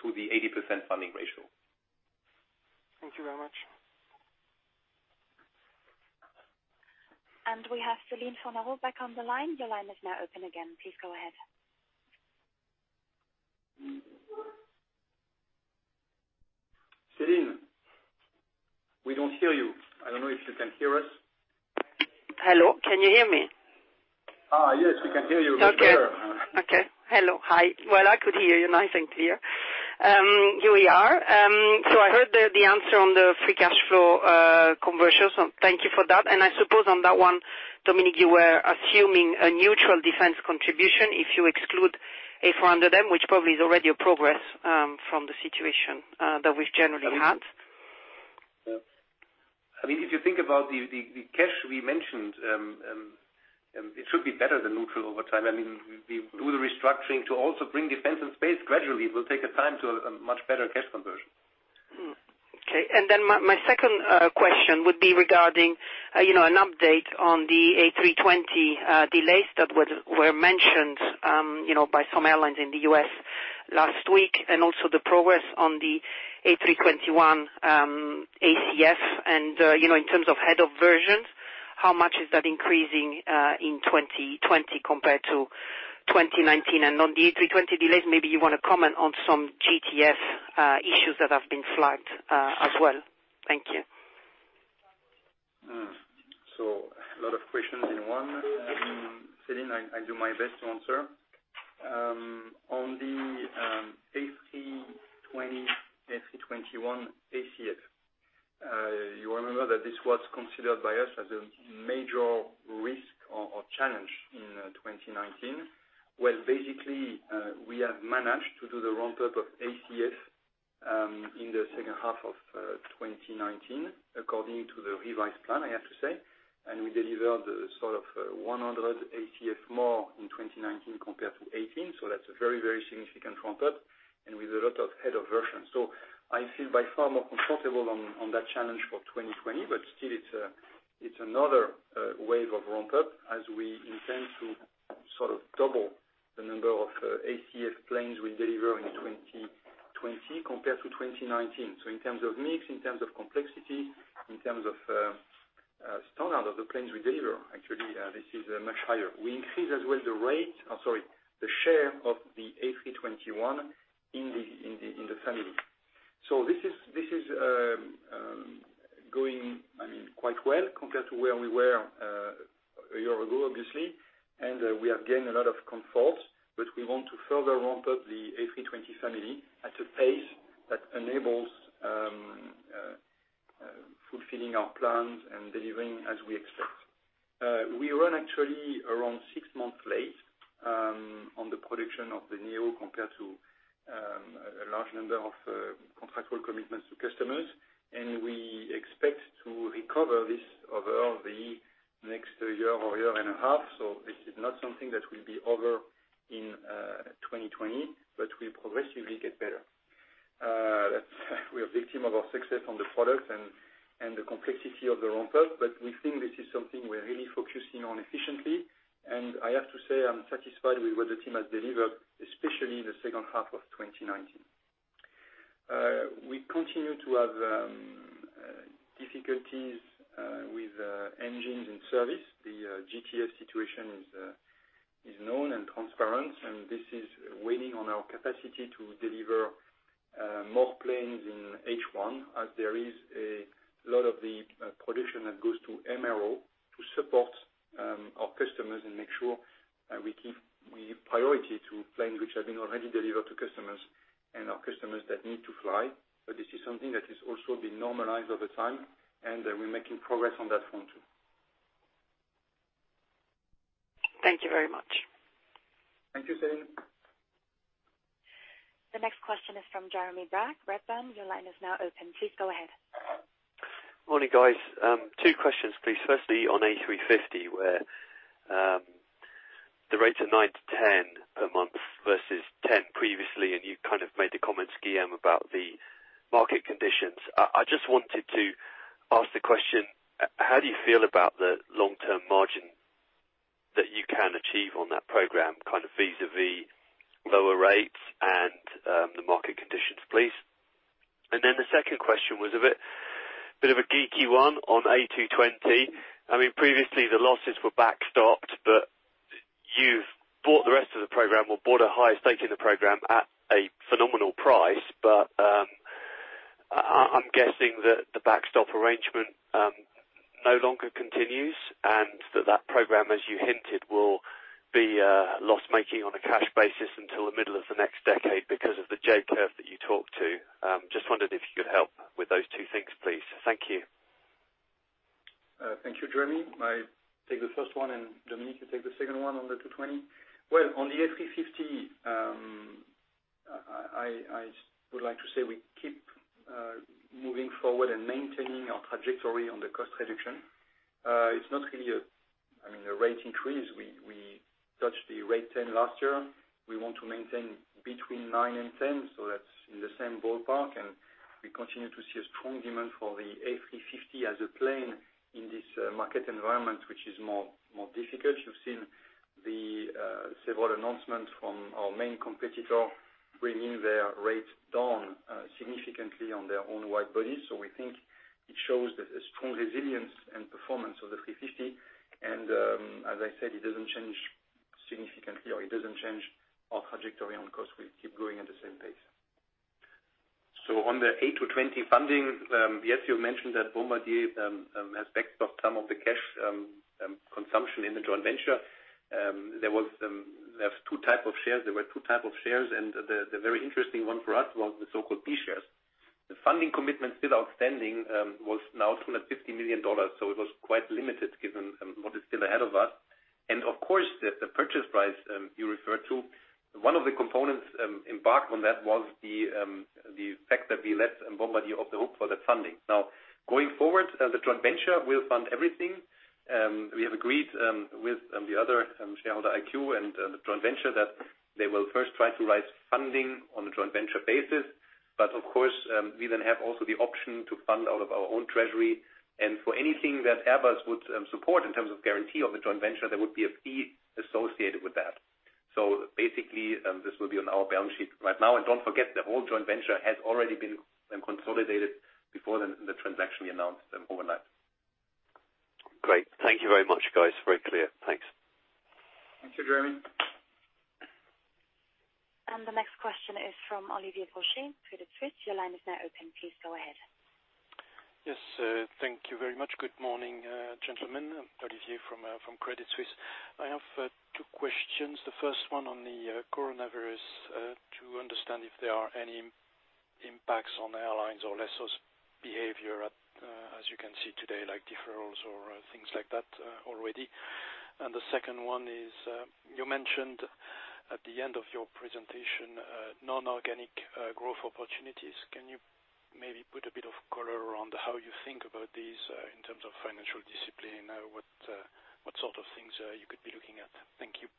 to the 80% funding ratio. Thank you very much. We have Céline Fornaro back on the line. Your line is now open again. Please go ahead. Céline, we don't hear you. I don't know if you can hear us. Hello, can you hear me? Yes, we can hear you loud and clear. Okay. Hello. Hi. Well, I could hear you nice and clear. Here we are. I heard the answer on the free cash flow conversion, so thank you for that. I suppose on that one, Dominik, you were assuming a neutral defense contribution if you exclude A400M, which probably is already a progress from the situation that we've generally had. I mean, if you think about the cash we mentioned, it should be better than neutral over time. I mean, we do the restructuring to also bring Defence and Space gradually. It will take time to a much better cash conversion. Okay. My second question would be regarding an update on the A320 delays that were mentioned by some airlines in the U.S. last week, and also the progress on the A321 ACF and in terms of head of versions, how much is that increasing in 2020 compared to 2019? On the A320 delays, maybe you want to comment on some GTF issues that have been flagged as well. Thank you. A lot of questions in one. Céline, I'll do my best to answer. On the A320, A321 ACF. You remember that this was considered by us as a major risk or challenge in 2019. Well, basically, we have managed to do the ramp up of ACF in the second half of 2019 according to the revised plan, I have to say. We delivered sort of 100 ACF more in 2019 compared to 2018. That's a very, very significant ramp up, and with a lot of head of series. I feel by far more comfortable on that challenge for 2020. Still, it's another wave of ramp up as we intend to sort of double the number of ACF planes we deliver in 2020 compared to 2019. In terms of mix, in terms of complexity, in terms of standout of the planes we deliver, actually, this is much higher. We increase as well the rate, I'm sorry, the share of the A321 in the family. This is quite well compared to where we were a year ago, obviously. We have gained a lot of comfort, but we want to further ramp up the A320 family at a pace that enables fulfilling our plans and delivering as we expect. We run actually around six months late on the production of the neo compared to a large number of contractual commitments to customers, and we expect to recover this over the next year or year and a half. This is not something that will be over in 2020, but will progressively get better. We are victim of our success on the product and the complexity of the ramp-up. We think this is something we're really focusing on efficiently. I have to say, I'm satisfied with what the team has delivered, especially in the second half of 2019. We continue to have difficulties with engines in service. The GTF situation is known and transparent. This is weighing on our capacity to deliver more planes in H1, as there is a lot of the production that goes to MRO to support our customers and make sure we give priority to planes which have been already delivered to customers and our customers that need to fly. This is something that has also been normalized over time. We're making progress on that front, too. Thank you very much. Thank you, Céline. The next question is from Jeremy Bragg, Redburn. Your line is now open. Please go ahead. Morning, guys. Two questions, please. Firstly, on A350, where the rates are 9-10 per month versus 10 previously, you kind of made the comment, Guillaume, about the market conditions. I just wanted to ask the question, how do you feel about the long-term margin that you can achieve on that program vis-à-vis lower rates and the market conditions, please? The second question was a bit of a geeky one on A220. I mean, previously the losses were backstopped, you've bought the rest of the program or bought a high stake in the program at a phenomenal price. I'm guessing that the backstop arrangement no longer continues, and that that program, as you hinted, will be loss-making on a cash basis until the middle of the next decade because of the J-curve that you talked to. Just wondered if you could help with those two things, please. Thank you. Thank you, Jeremy. I take the first one. Dominik, you take the second one on the A220. Well, on the A350, I would like to say we keep moving forward and maintaining our trajectory on the cost reduction. It's not really a rate increase. We touched the rate 10 last year. We want to maintain between nine and 10, that's in the same ballpark. We continue to see a strong demand for the A350 as a plane in this market environment, which is more difficult. You've seen the several announcements from our main competitor bringing their rates down significantly on their own wide body. We think it shows that a strong resilience and performance of the A350, as I said, it doesn't change significantly or it doesn't change our trajectory on cost. We keep going at the same pace. On the A220 funding, yes, you mentioned that Bombardier has backstopped some of the cash consumption in the joint venture. There were two type of shares, the very interesting one for us was the so-called B shares. The funding commitment still outstanding was now EUR 250 million, it was quite limited given what is still ahead of us. Of course, the purchase price you referred to, one of the components embarked on that was the fact that we let Bombardier off the hook for that funding. Going forward, the joint venture will fund everything. We have agreed with the other shareholder, IQ, and the joint venture that they will first try to raise funding on a joint venture basis. Of course, we then have also the option to fund out of our own treasury. For anything that Airbus would support in terms of guarantee of a joint venture, there would be a fee associated with that. Basically, this will be on our balance sheet right now. Don't forget, the whole joint venture has already been consolidated before the transaction we announced overnight. Great. Thank you very much, guys. Very clear. Thanks. Thank you, Jeremy. The next question is from Olivier Brochet, Credit Suisse. Your line is now open. Please go ahead. Yes, thank you very much. Good morning, gentlemen. I'm Olivier from Credit Suisse. I have two questions. The first one on the coronavirus, to understand if there are any impacts on airlines or lessors' behavior, as you can see today, like deferrals or things like that already. The second one is, you mentioned at the end of your presentation, non-organic growth opportunities. Can you maybe put a bit of color around how you think about these in terms of financial discipline? What sort of things you could be looking at? Thank you.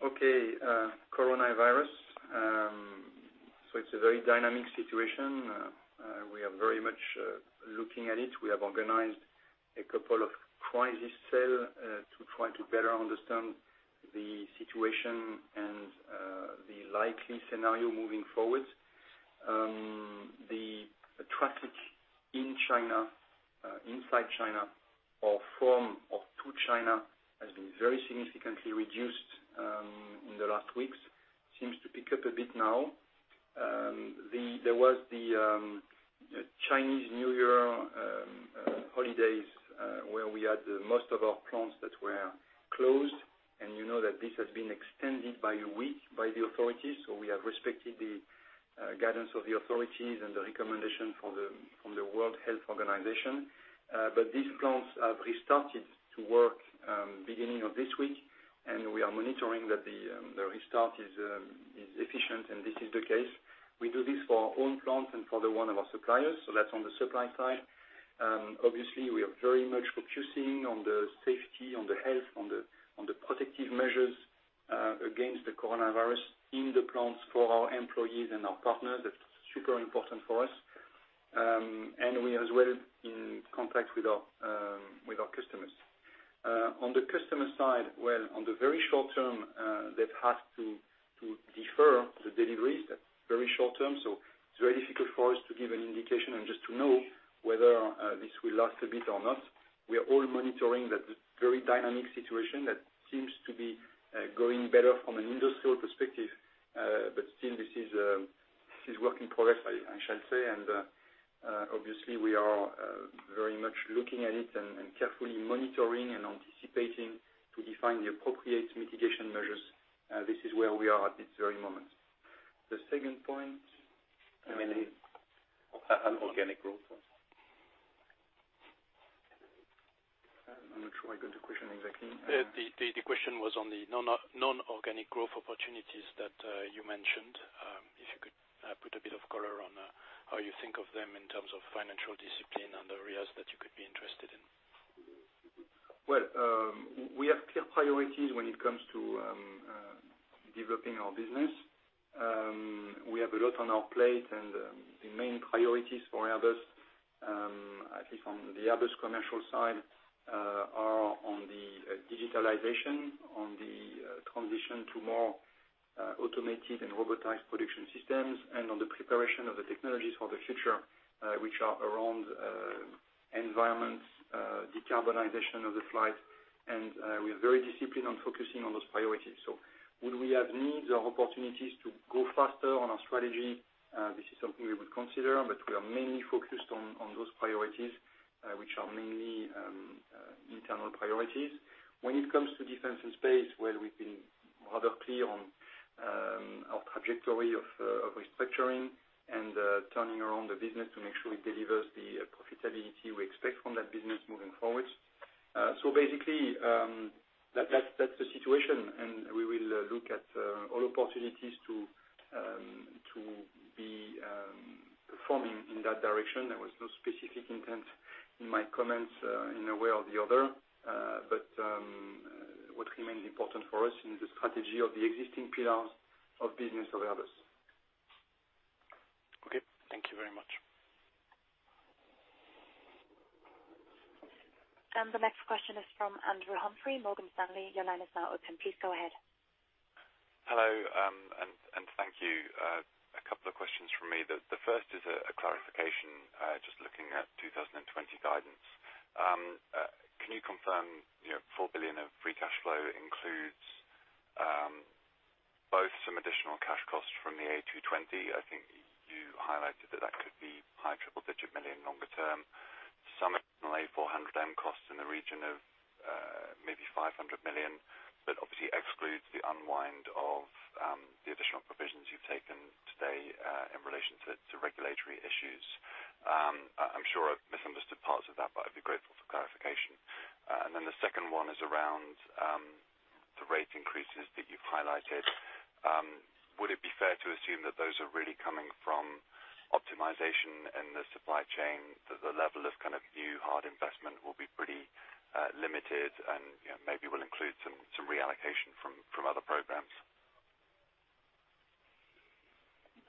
Okay. Coronavirus. It's a very dynamic situation. We are very much looking at it. We have organized a couple of crisis cell to try to better understand the situation and the likely scenario moving forward. The traffic in China Inside China or from or to China has been very significantly reduced in the last weeks. Seems to pick up a bit now. There was the Chinese New Year holidays, where we had most of our plants that were closed, and you know that this has been extended by a week by the authorities, so we have respected the guidance of the authorities and the recommendation from the World Health Organization. These plants have restarted to work beginning of this week, and we are monitoring that the restart is efficient and this is the case. We do this for our own plants and for the one of our suppliers, so that's on the supply side. Obviously, we are very much focusing on the safety, on the health, on the protective measures against the coronavirus in the plants for our employees and our partners. That's super important for us. We are as well in contact with our customers. On the customer side, well, on the very short term, they've had to defer the deliveries. That's very short term, so it's very difficult for us to give an indication and just to know whether this will last a bit or not. We are all monitoring that very dynamic situation that seems to be going better from an industrial perspective. Still, this is work in progress, I shall say, and obviously, we are very much looking at it and carefully monitoring and anticipating to define the appropriate mitigation measures. This is where we are at this very moment. The second point? I mean, organic growth. I'm not sure I got the question exactly. The question was on the non-organic growth opportunities that you mentioned. If you could put a bit of color on how you think of them in terms of financial discipline and the areas that you could be interested in. Well, we have clear priorities when it comes to developing our business. We have a lot on our plate. The main priorities for Airbus, at least on the Airbus commercial side, are on the digitalization, on the transition to more automated and robotized production systems, and on the preparation of the technologies for the future which are around environment decarbonization of the flight. We are very disciplined on focusing on those priorities. Would we have needs or opportunities to go faster on our strategy? This is something we would consider, but we are mainly focused on those priorities, which are mainly internal priorities. When it comes to Defence and Space, well, we've been rather clear on our trajectory of restructuring and turning around the business to make sure it delivers the profitability we expect from that business moving forward. Basically, that's the situation, and we will look at all opportunities to be performing in that direction. There was no specific intent in my comments in a way or the other. What remains important for us is the strategy of the existing pillars of business of Airbus. Okay. Thank you very much. The next question is from Andrew Humphrey, Morgan Stanley. Your line is now open. Please go ahead. Hello, and thank you. A couple of questions from me. The first is a clarification, just looking at 2020 guidance. Can you confirm your 4 billion of free cash flow includes both some additional cash costs from the A220? I think you highlighted that that could be high triple-digit million longer term. Some A400M costs in the region of maybe 500 million, but obviously excludes the unwind of the additional provisions you've taken today in relation to regulatory issues. I'm sure I've misunderstood parts of that, but I'd be grateful for clarification. The second one is around the rate increases that you've highlighted. Would it be fair to assume that those are really coming from optimization in the supply chain, that the level of kind of new hard investment will be pretty limited and maybe will include some reallocation from other programs?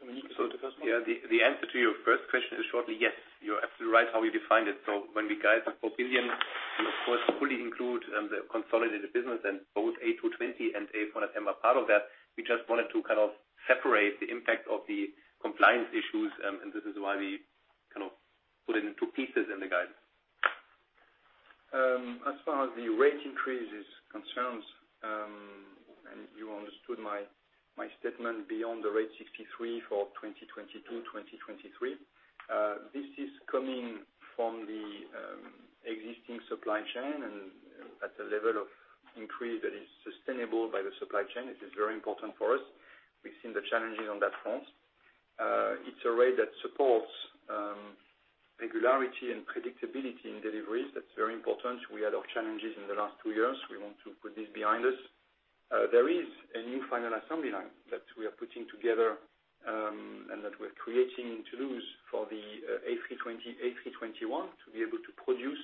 Dominik, you want the first one? Yeah, the answer to your first question is shortly, yes, you're absolutely right how we defined it. When we guide the EUR 4 billion, we of course fully include the consolidated business and both A220 and A400M are part of that. We just wanted to kind of separate the impact of the compliance issues, and this is why we kind of put it into pieces in the guidance. As far as the rate increases concerns, you understood my statement beyond the rate 63 for 2022, 2023. This is coming from the existing supply chain and at a level of increase that is sustainable by the supply chain. It is very important for us. We've seen the challenges on that front. It's a rate that supports regularity and predictability in deliveries. That's very important. We had our challenges in the last two years. We want to put this behind us. There is a new final assembly line that we are putting together, and that we're creating in Toulouse for the A320, A321 to be able to produce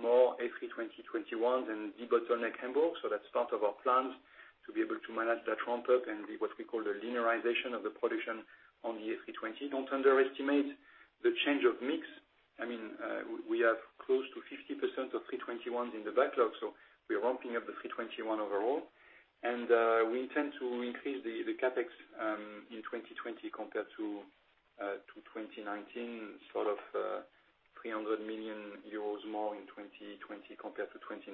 more A320, 21 and debottleneck Hamburg, so that's part of our plans to be able to manage that ramp-up and what we call the linearization of the production on the A320. Don't underestimate the change of mix. I mean, we have close to 50% of A321s in the backlog, so we are ramping up the A321 overall. We intend to increase the CapEx in 2020 compared to 2019, sort of 300 million euros more in 2020 compared to 2019.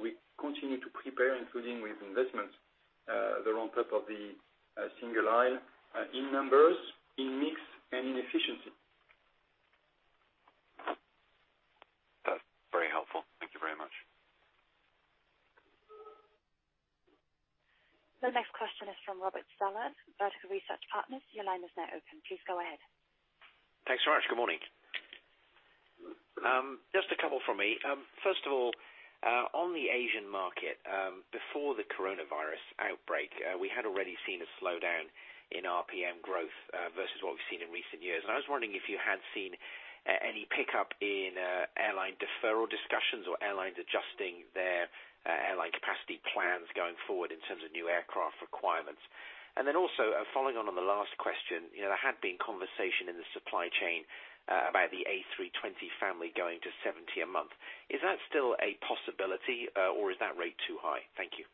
We continue to prepare, including with investments, the ramp-up of the single aisle in numbers, in mix, and in efficiency. That's very helpful. Thank you very much. The next question is from Robert Stallard, Vertical Research Partners. Your line is now open. Please go ahead. Thanks very much. Good morning. Just a couple from me. First of all, on the Asian market, before the coronavirus outbreak, we had already seen a slowdown in RPM growth versus what we've seen in recent years, and I was wondering if you had seen any pickup in airline deferral discussions or airlines adjusting their airline capacity plans going forward in terms of new aircraft requirements. Also, following on on the last question, there had been conversation in the supply chain about the A320 family going to 70 a month. Is that still a possibility, or is that rate too high? Thank you.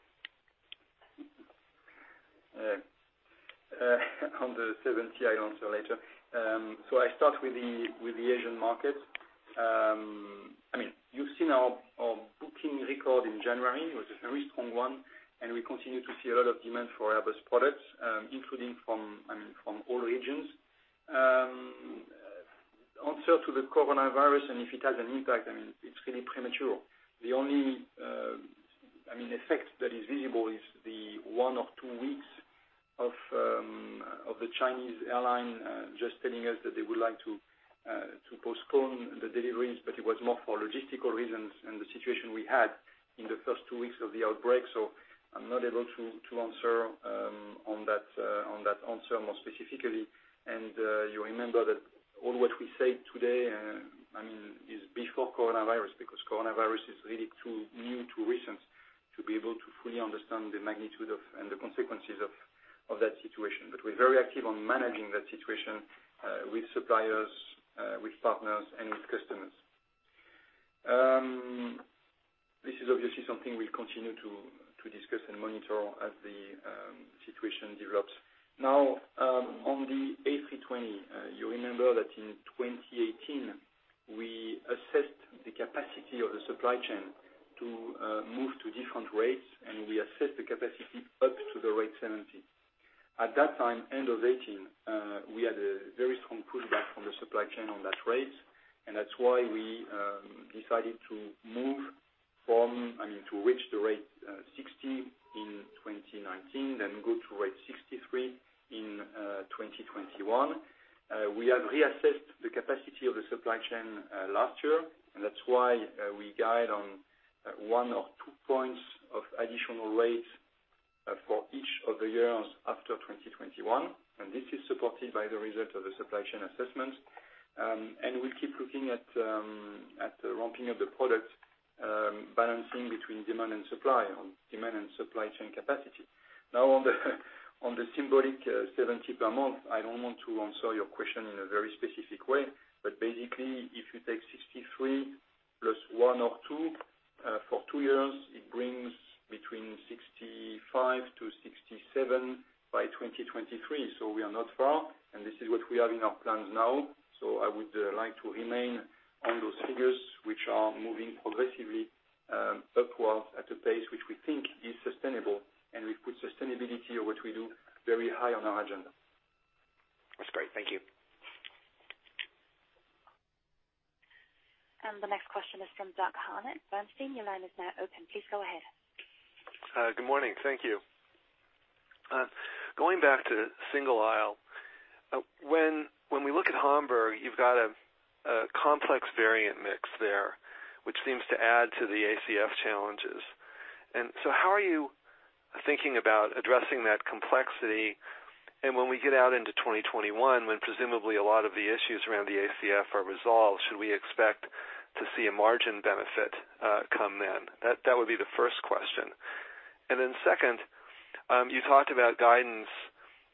On the 70, I answer later. I start with the Asian market. You've seen our booking record in January, which is a very strong one, and we continue to see a lot of demand for Airbus products, including from all regions. To the coronavirus, and if it has an impact, it's really premature. The only effect that is visible is the one or two weeks of the Chinese airline just telling us that they would like to postpone the deliveries, but it was more for logistical reasons and the situation we had in the first two weeks of the outbreak. I'm not able to answer on that answer more specifically. You remember that all what we say today is before coronavirus, because coronavirus is really too new, too recent, to be able to fully understand the magnitude of and the consequences of that situation. We're very active on managing that situation with suppliers, with partners, and with customers. This is obviously something we'll continue to discuss and monitor as the situation develops. On the A320, you remember that in 2018, we assessed the capacity of the supply chain to move to different rates, and we assessed the capacity up to the rate 70. At that time, end of 2018, we had a very strong pushback from the supply chain on that rate, and that's why we decided to reach the rate 60 in 2019, then go to rate 63 in 2021. We have reassessed the capacity of the supply chain last year, and that's why we guide on one or two points of additional rate for each of the years after 2021, and this is supported by the result of the supply chain assessment. We keep looking at the ramping of the product, balancing between demand and supply on demand and supply chain capacity. On the symbolic 70 per month, I don't want to answer your question in a very specific way, but basically, if you take 63 plus 1 or 2 for two years, it brings between 65 to 67 by 2023. We are not far, and this is what we have in our plans now. I would like to remain on those figures, which are moving progressively upwards at a pace which we think is sustainable, and we put sustainability of what we do very high on our agenda. That's great. Thank you. The next question is from Doug Harned, Bernstein. Your line is now open. Please go ahead. Good morning. Thank you. Going back to single aisle, when we look at Hamburg, you've got a complex variant mix there, which seems to add to the ACF challenges. How are you thinking about addressing that complexity, and when we get out into 2021, when presumably a lot of the issues around the ACF are resolved, should we expect to see a margin benefit come then? That would be the first question. Second, you talked about guidance,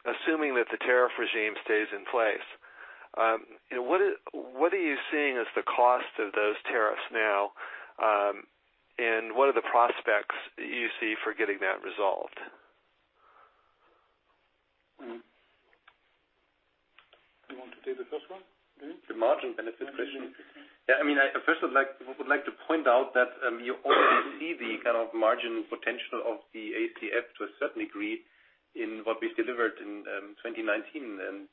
assuming that the tariff regime stays in place. What are you seeing as the cost of those tariffs now, and what are the prospects you see for getting that resolved? You want to take the first one, Dominik? The margin benefit question? Margin benefit, yeah. I first would like to point out that you already see the kind of margin potential of the ACF to a certain degree in what we delivered in 2019.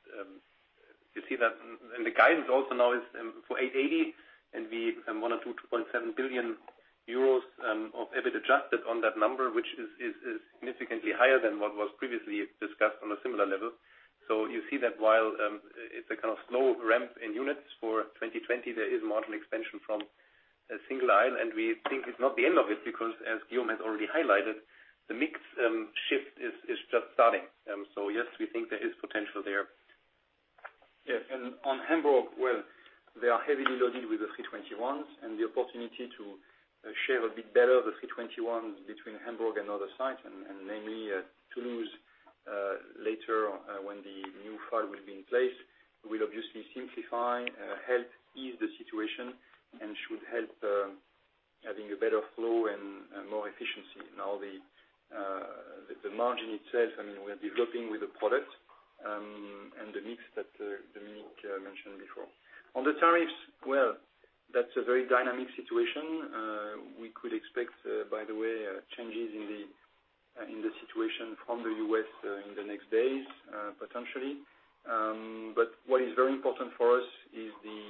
You see that in the guidance also now is for A80, and one or two, 2.7 billion euros of EBIT adjusted on that number, which is significantly higher than what was previously discussed on a similar level. You see that while it's a kind of slow ramp in units for 2020, there is margin expansion from a single aisle, and we think it's not the end of it because, as Guillaume has already highlighted, the mix shift is just starting. Yes, we think there is potential there. Yes. On Hamburg, well, they are heavily loaded with the 321s, and the opportunity to share a bit better the 321s between Hamburg and other sites, namely Toulouse. Later, when the new file will be in place, we will obviously simplify, help ease the situation, and should have a better flow and more efficiency. Now the margin itself, we're developing with the product, and the mix that Dominik mentioned before. On the tariffs, well, that's a very dynamic situation. We could expect, by the way, changes in the situation from the U.S. in the next days, potentially. What is very important for us is the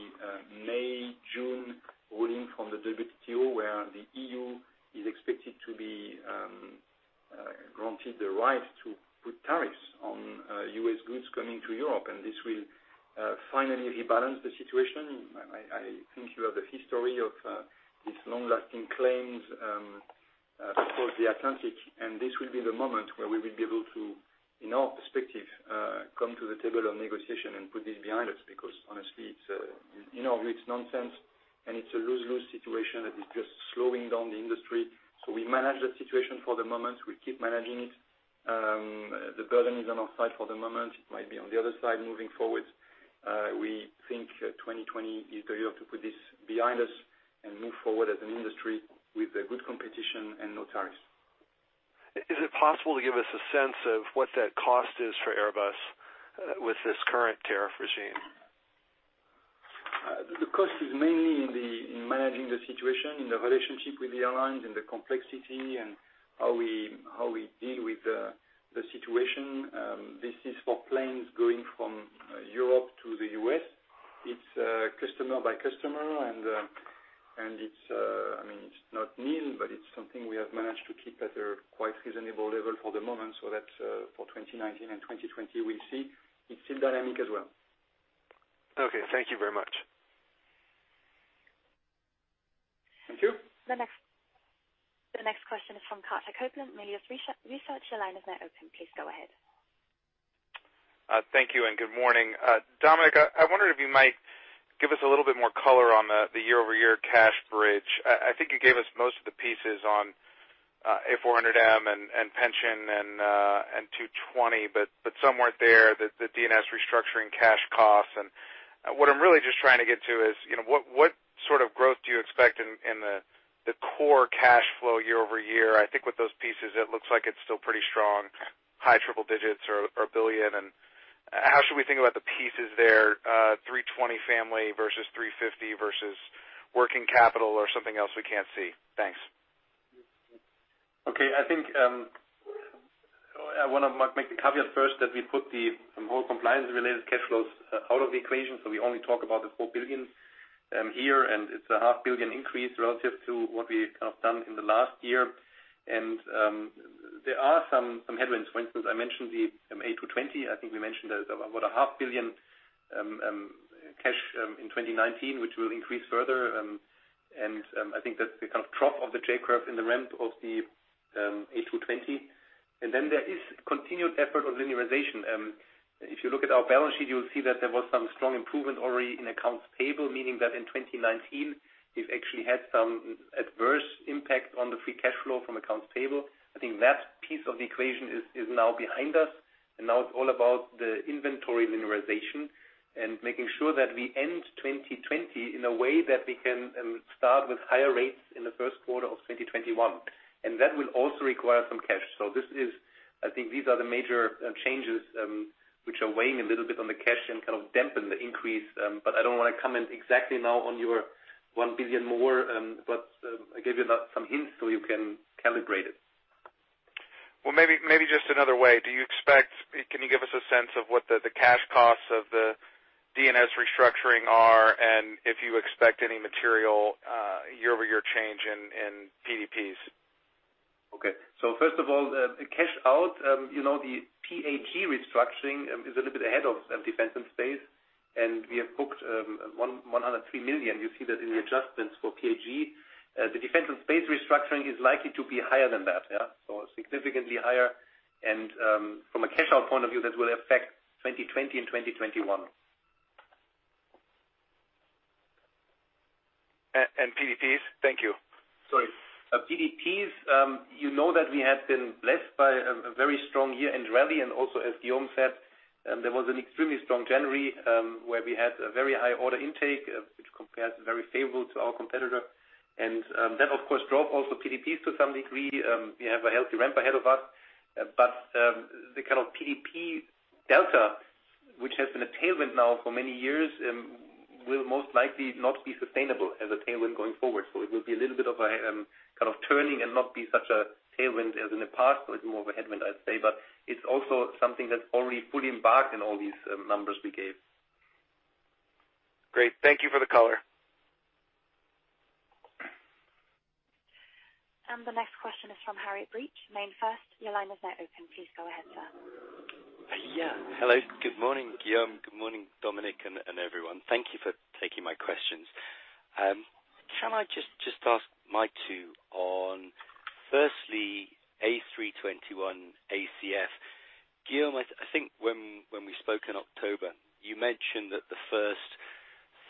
May-June ruling from the WTO, where the EU is expected to be granted the right to put tariffs on U.S. goods coming to Europe, and this will finally rebalance the situation. I think you have the history of these long-lasting claims across the Atlantic, and this will be the moment where we will be able to, in our perspective, come to the table of negotiation and put this behind us, because honestly, in our view, it's nonsense, and it's a lose-lose situation that is just slowing down the industry. We manage that situation for the moment. We keep managing it. The burden is on our side for the moment. It might be on the other side moving forward. We think 2020 is the year to put this behind us and move forward as an industry with good competition and no tariffs. Is it possible to give us a sense of what that cost is for Airbus with this current tariff regime? The cost is mainly in managing the situation, in the relationship with the airlines, and the complexity and how we deal with the situation. This is for planes going from Europe to the U.S. It's customer by customer, and it's not nil, but it's something we have managed to keep at a quite reasonable level for the moment, so that for 2019 and 2020, we'll see. It's still dynamic as well. Okay. Thank you very much. Thank you. The next question is from Carter Copeland, Melius Research. Your line is now open. Please go ahead. Thank you and good morning. Dominik, I wondered if you might give us a little bit more color on the year-over-year cash bridge. I think you gave us most of the pieces on A400M and pension and A220, but some weren't there, the D&S restructuring cash costs. What I'm really just trying to get to is, what sort of growth do you expect in the core cash flow year-over-year? I think with those pieces, it looks like it's still pretty strong, high triple digits or 1 billion. How should we think about the pieces there, A320 family versus A350 versus working capital or something else we can't see? Thanks. Okay. I want to make the caveat first that we put the more compliance-related cash flows out of the equation. We only talk about the 4 billion here, and it's a half billion increase relative to what we have done in the last year. There are some headwinds. For instance, I mentioned the A220. I think we mentioned about a half billion cash in 2019, which will increase further. I think that's the kind of drop of the J-curve in the ramp of the A220. Then there is continued effort on linearization. If you look at our balance sheet, you'll see that there was some strong improvement already in accounts payable, meaning that in 2019, we've actually had some adverse impact on the free cash flow from accounts payable. I think that piece of the equation is now behind us, and now it's all about the inventory linearization and making sure that we end 2020 in a way that we can start with higher rates in the first quarter of 2021. That will also require some cash. I think these are the major changes, which are weighing a little bit on the cash and kind of dampen the increase, but I don't want to comment exactly now on your 1 billion more, but I gave you some hints so you can calibrate it. Well, maybe just another way. Can you give us a sense of what the cash costs of the D&S restructuring are and if you expect any material year-over-year change in PDPs? First of all, the cash out, the PAT restructuring is a little bit ahead of Defence and Space, and we have booked 103 million. You see that in the adjustments for PAG. The Defence and Space restructuring is likely to be higher than that, yeah? Significantly higher, and from a cash-out point of view, that will affect 2020 and 2021. PDPs? Thank you. Sorry. PDPs, you know that we have been blessed by a very strong year-end rally, and also, as Guillaume said, there was an extremely strong January, where we had a very high order intake, which compares very favorably to our competitor. That, of course, drove also PDPs to some degree. We have a healthy ramp ahead of us. The kind of PDP delta, which has been a tailwind now for many years, will most likely not be sustainable as a tailwind going forward. It will be a little bit of a kind of turning and not be such a tailwind as in the past, but it's more of a headwind, I'd say. It's also something that's already fully embarked in all these numbers we gave. Great. Thank you for the color. The next question is from Harry Breach, MainFirst. Your line is now open. Please go ahead, sir. Hello. Good morning, Guillaume. Good morning, Dominik, and everyone. Thank you for taking my questions. Can I just ask my two on, firstly, A321 ACF? Guillaume, I think when we spoke in October, you mentioned that the first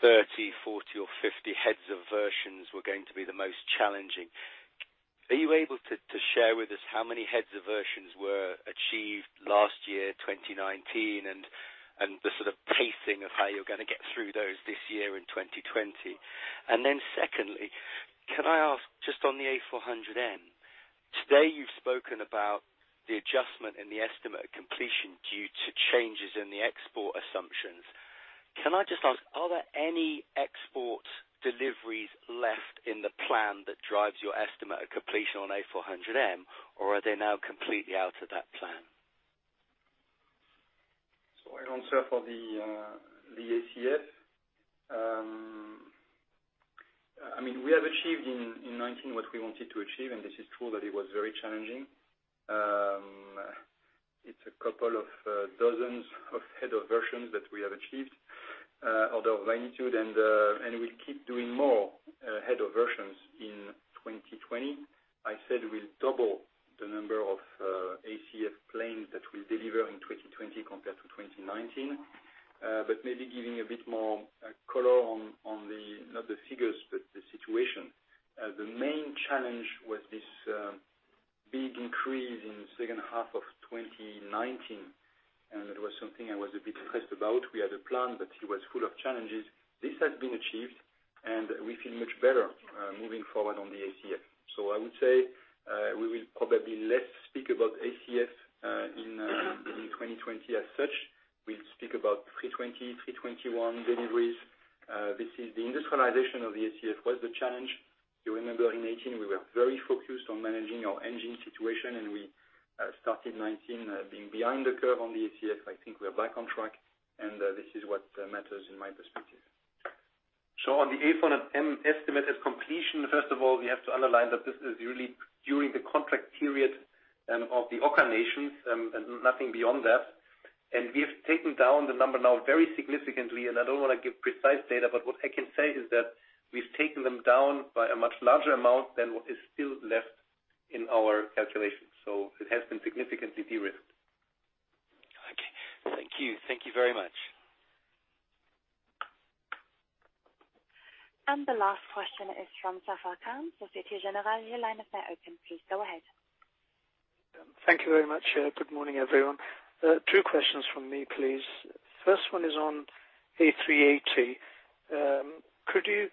30, 40, or 50 head of series were going to be the most challenging. Are you able to share with us how many head of series were achieved last year, 2019, and the sort of pacing of how you're going to get through those this year in 2020? Secondly, can I ask just on the A400M, today you've spoken about the adjustment in the estimate completion due to changes in the export assumptions. Can I just ask, are there any export deliveries left in the plan that drives your estimate of completion on A400M, or are they now completely out of that plan? I answer for the ACF. We have achieved in 2019 what we wanted to achieve, and this is true that it was very challenging. It's a couple of dozens of head of series that we have achieved, order of magnitude, and we'll keep doing more head of series in 2020. I said we'll double the number of ACF planes that we deliver in 2020 compared to 2019. Maybe giving a bit more color on, not the figures, but the situation. The main challenge was this big increase in the second half of 2019, and that was something I was a bit stressed about. We had a plan, but it was full of challenges. This has been achieved, and we feel much better moving forward on the ACF. I would say we will probably less speak about ACF in 2020 as such. We'll speak about A320, A321 deliveries. This is the industrialization of the ACF was the challenge. You remember in 2018, we were very focused on managing our engine situation. We started 2019 being behind the curve on the ACF. I think we are back on track. This is what matters in my perspective. On the A400M estimate at completion, first of all, we have to underline that this is really during the contract period of the OCCAR nations and nothing beyond that. We have taken down the number now very significantly, and I don't want to give precise data, but what I can say is that we've taken them down by a much larger amount than what is still left in our calculations. It has been significantly de-risked. Okay. Thank you. Thank you very much. The last question is from Zafar Khan from Societe Generale. Your line is now open. Please go ahead. Thank you very much. Good morning, everyone. Two questions from me, please. First one is on A380. Could you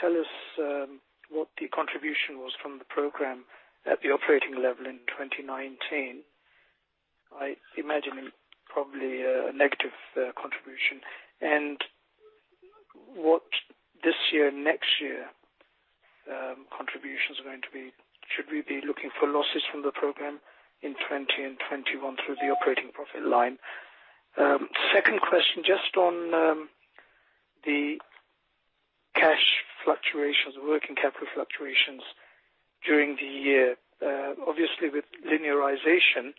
tell us what the contribution was from the program at the operating level in 2019? I imagine probably a negative contribution. What this year, next year, contributions are going to be? Should we be looking for losses from the program in 2020 and 2021 through the operating profit line? Second question, just on the cash fluctuations, working capital fluctuations during the year. Obviously, with linearization,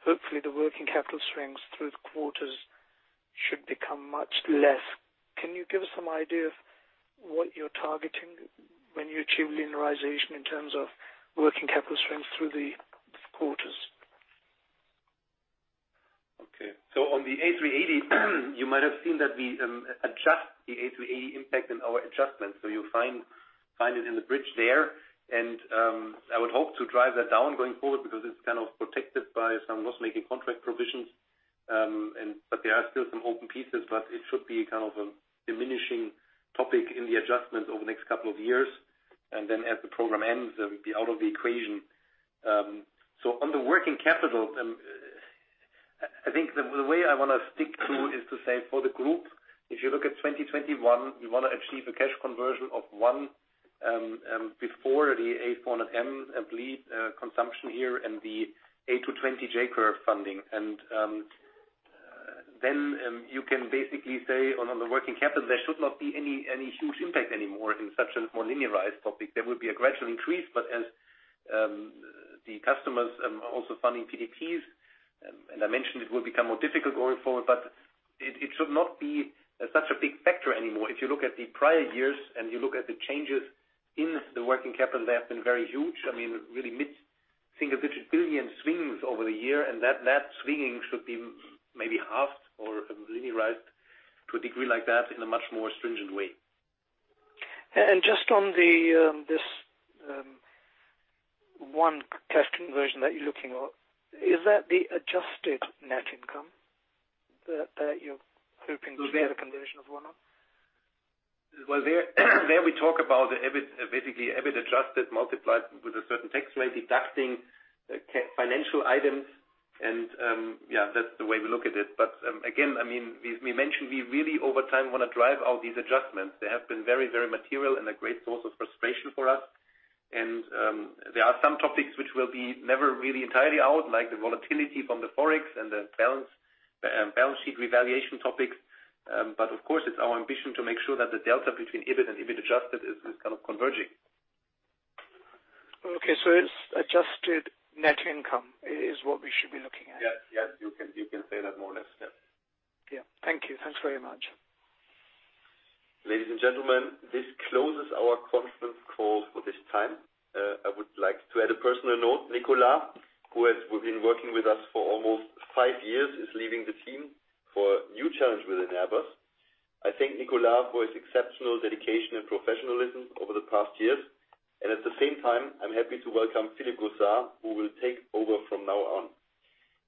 hopefully the working capital swings through the quarters should become much less. Can you give us some idea of what you're targeting when you achieve linearization in terms of working capital swings through the quarters? Okay. On the A380, you might have seen that we adjust the A380 impact in our adjustment. You'll find it in the bridge there, and I would hope to drive that down going forward because it's kind of protected by some loss-making contract provisions, but there are still some open pieces, but it should be kind of a diminishing topic in the adjustment over the next couple of years. As the program ends, it will be out of the equation. On the working capital, I think the way I want to stick to is to say for the group, if you look at 2021, we want to achieve a cash conversion of one before the A400M bleed consumption here and the A220 J-curve funding. Then you can basically say on the working capital, there should not be any huge impact anymore in such a more linearized topic. There will be a gradual increase. As the customers are also funding PDPs, and I mentioned it will become more difficult going forward, but it should not be such a big factor anymore. If you look at the prior years and you look at the changes in the working capital, they have been very huge. I mean, really mid-single-digit billion swings over the year, and that swinging should be maybe halved or linearized to a degree like that in a much more stringent way. Just on this one cash conversion that you're looking at, is that the adjusted net income that you're hoping to see a conversion of one on? Well, there we talk about basically EBIT adjusted multiplied with a certain tax rate, deducting financial items, and that's the way we look at it. Again, we mentioned we really, over time, want to drive out these adjustments. They have been very material and a great source of frustration for us. There are some topics which will be never really entirely out, like the volatility from the Forex and the balance sheet revaluation topics. Of course, it's our ambition to make sure that the delta between EBIT and EBIT adjusted is kind of converging. Okay. It's adjusted net income is what we should be looking at? Yes. You can say that more or less, yes. Yeah. Thank you. Thanks very much. Ladies and gentlemen, this closes our conference call for this time. I would like to add a personal note. Nicolas, who has been working with us for almost five years, is leaving the team for a new challenge within Airbus. I thank Nicolas for his exceptional dedication and professionalism over the past years, and at the same time, I'm happy to welcome Philippe Gossard, who will take over from now on.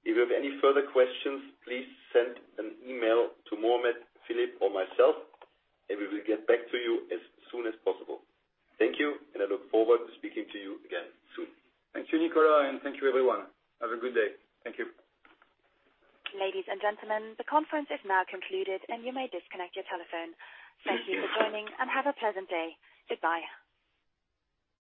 If you have any further questions, please send an email to Mohamed, Philippe, or myself, and we will get back to you as soon as possible. Thank you, and I look forward to speaking to you again soon. Thank you, Nicolas, and thank you, everyone. Have a good day. Thank you. Ladies and gentlemen, the conference is now concluded, and you may disconnect your telephone. Thank you for joining and have a pleasant day. Goodbye.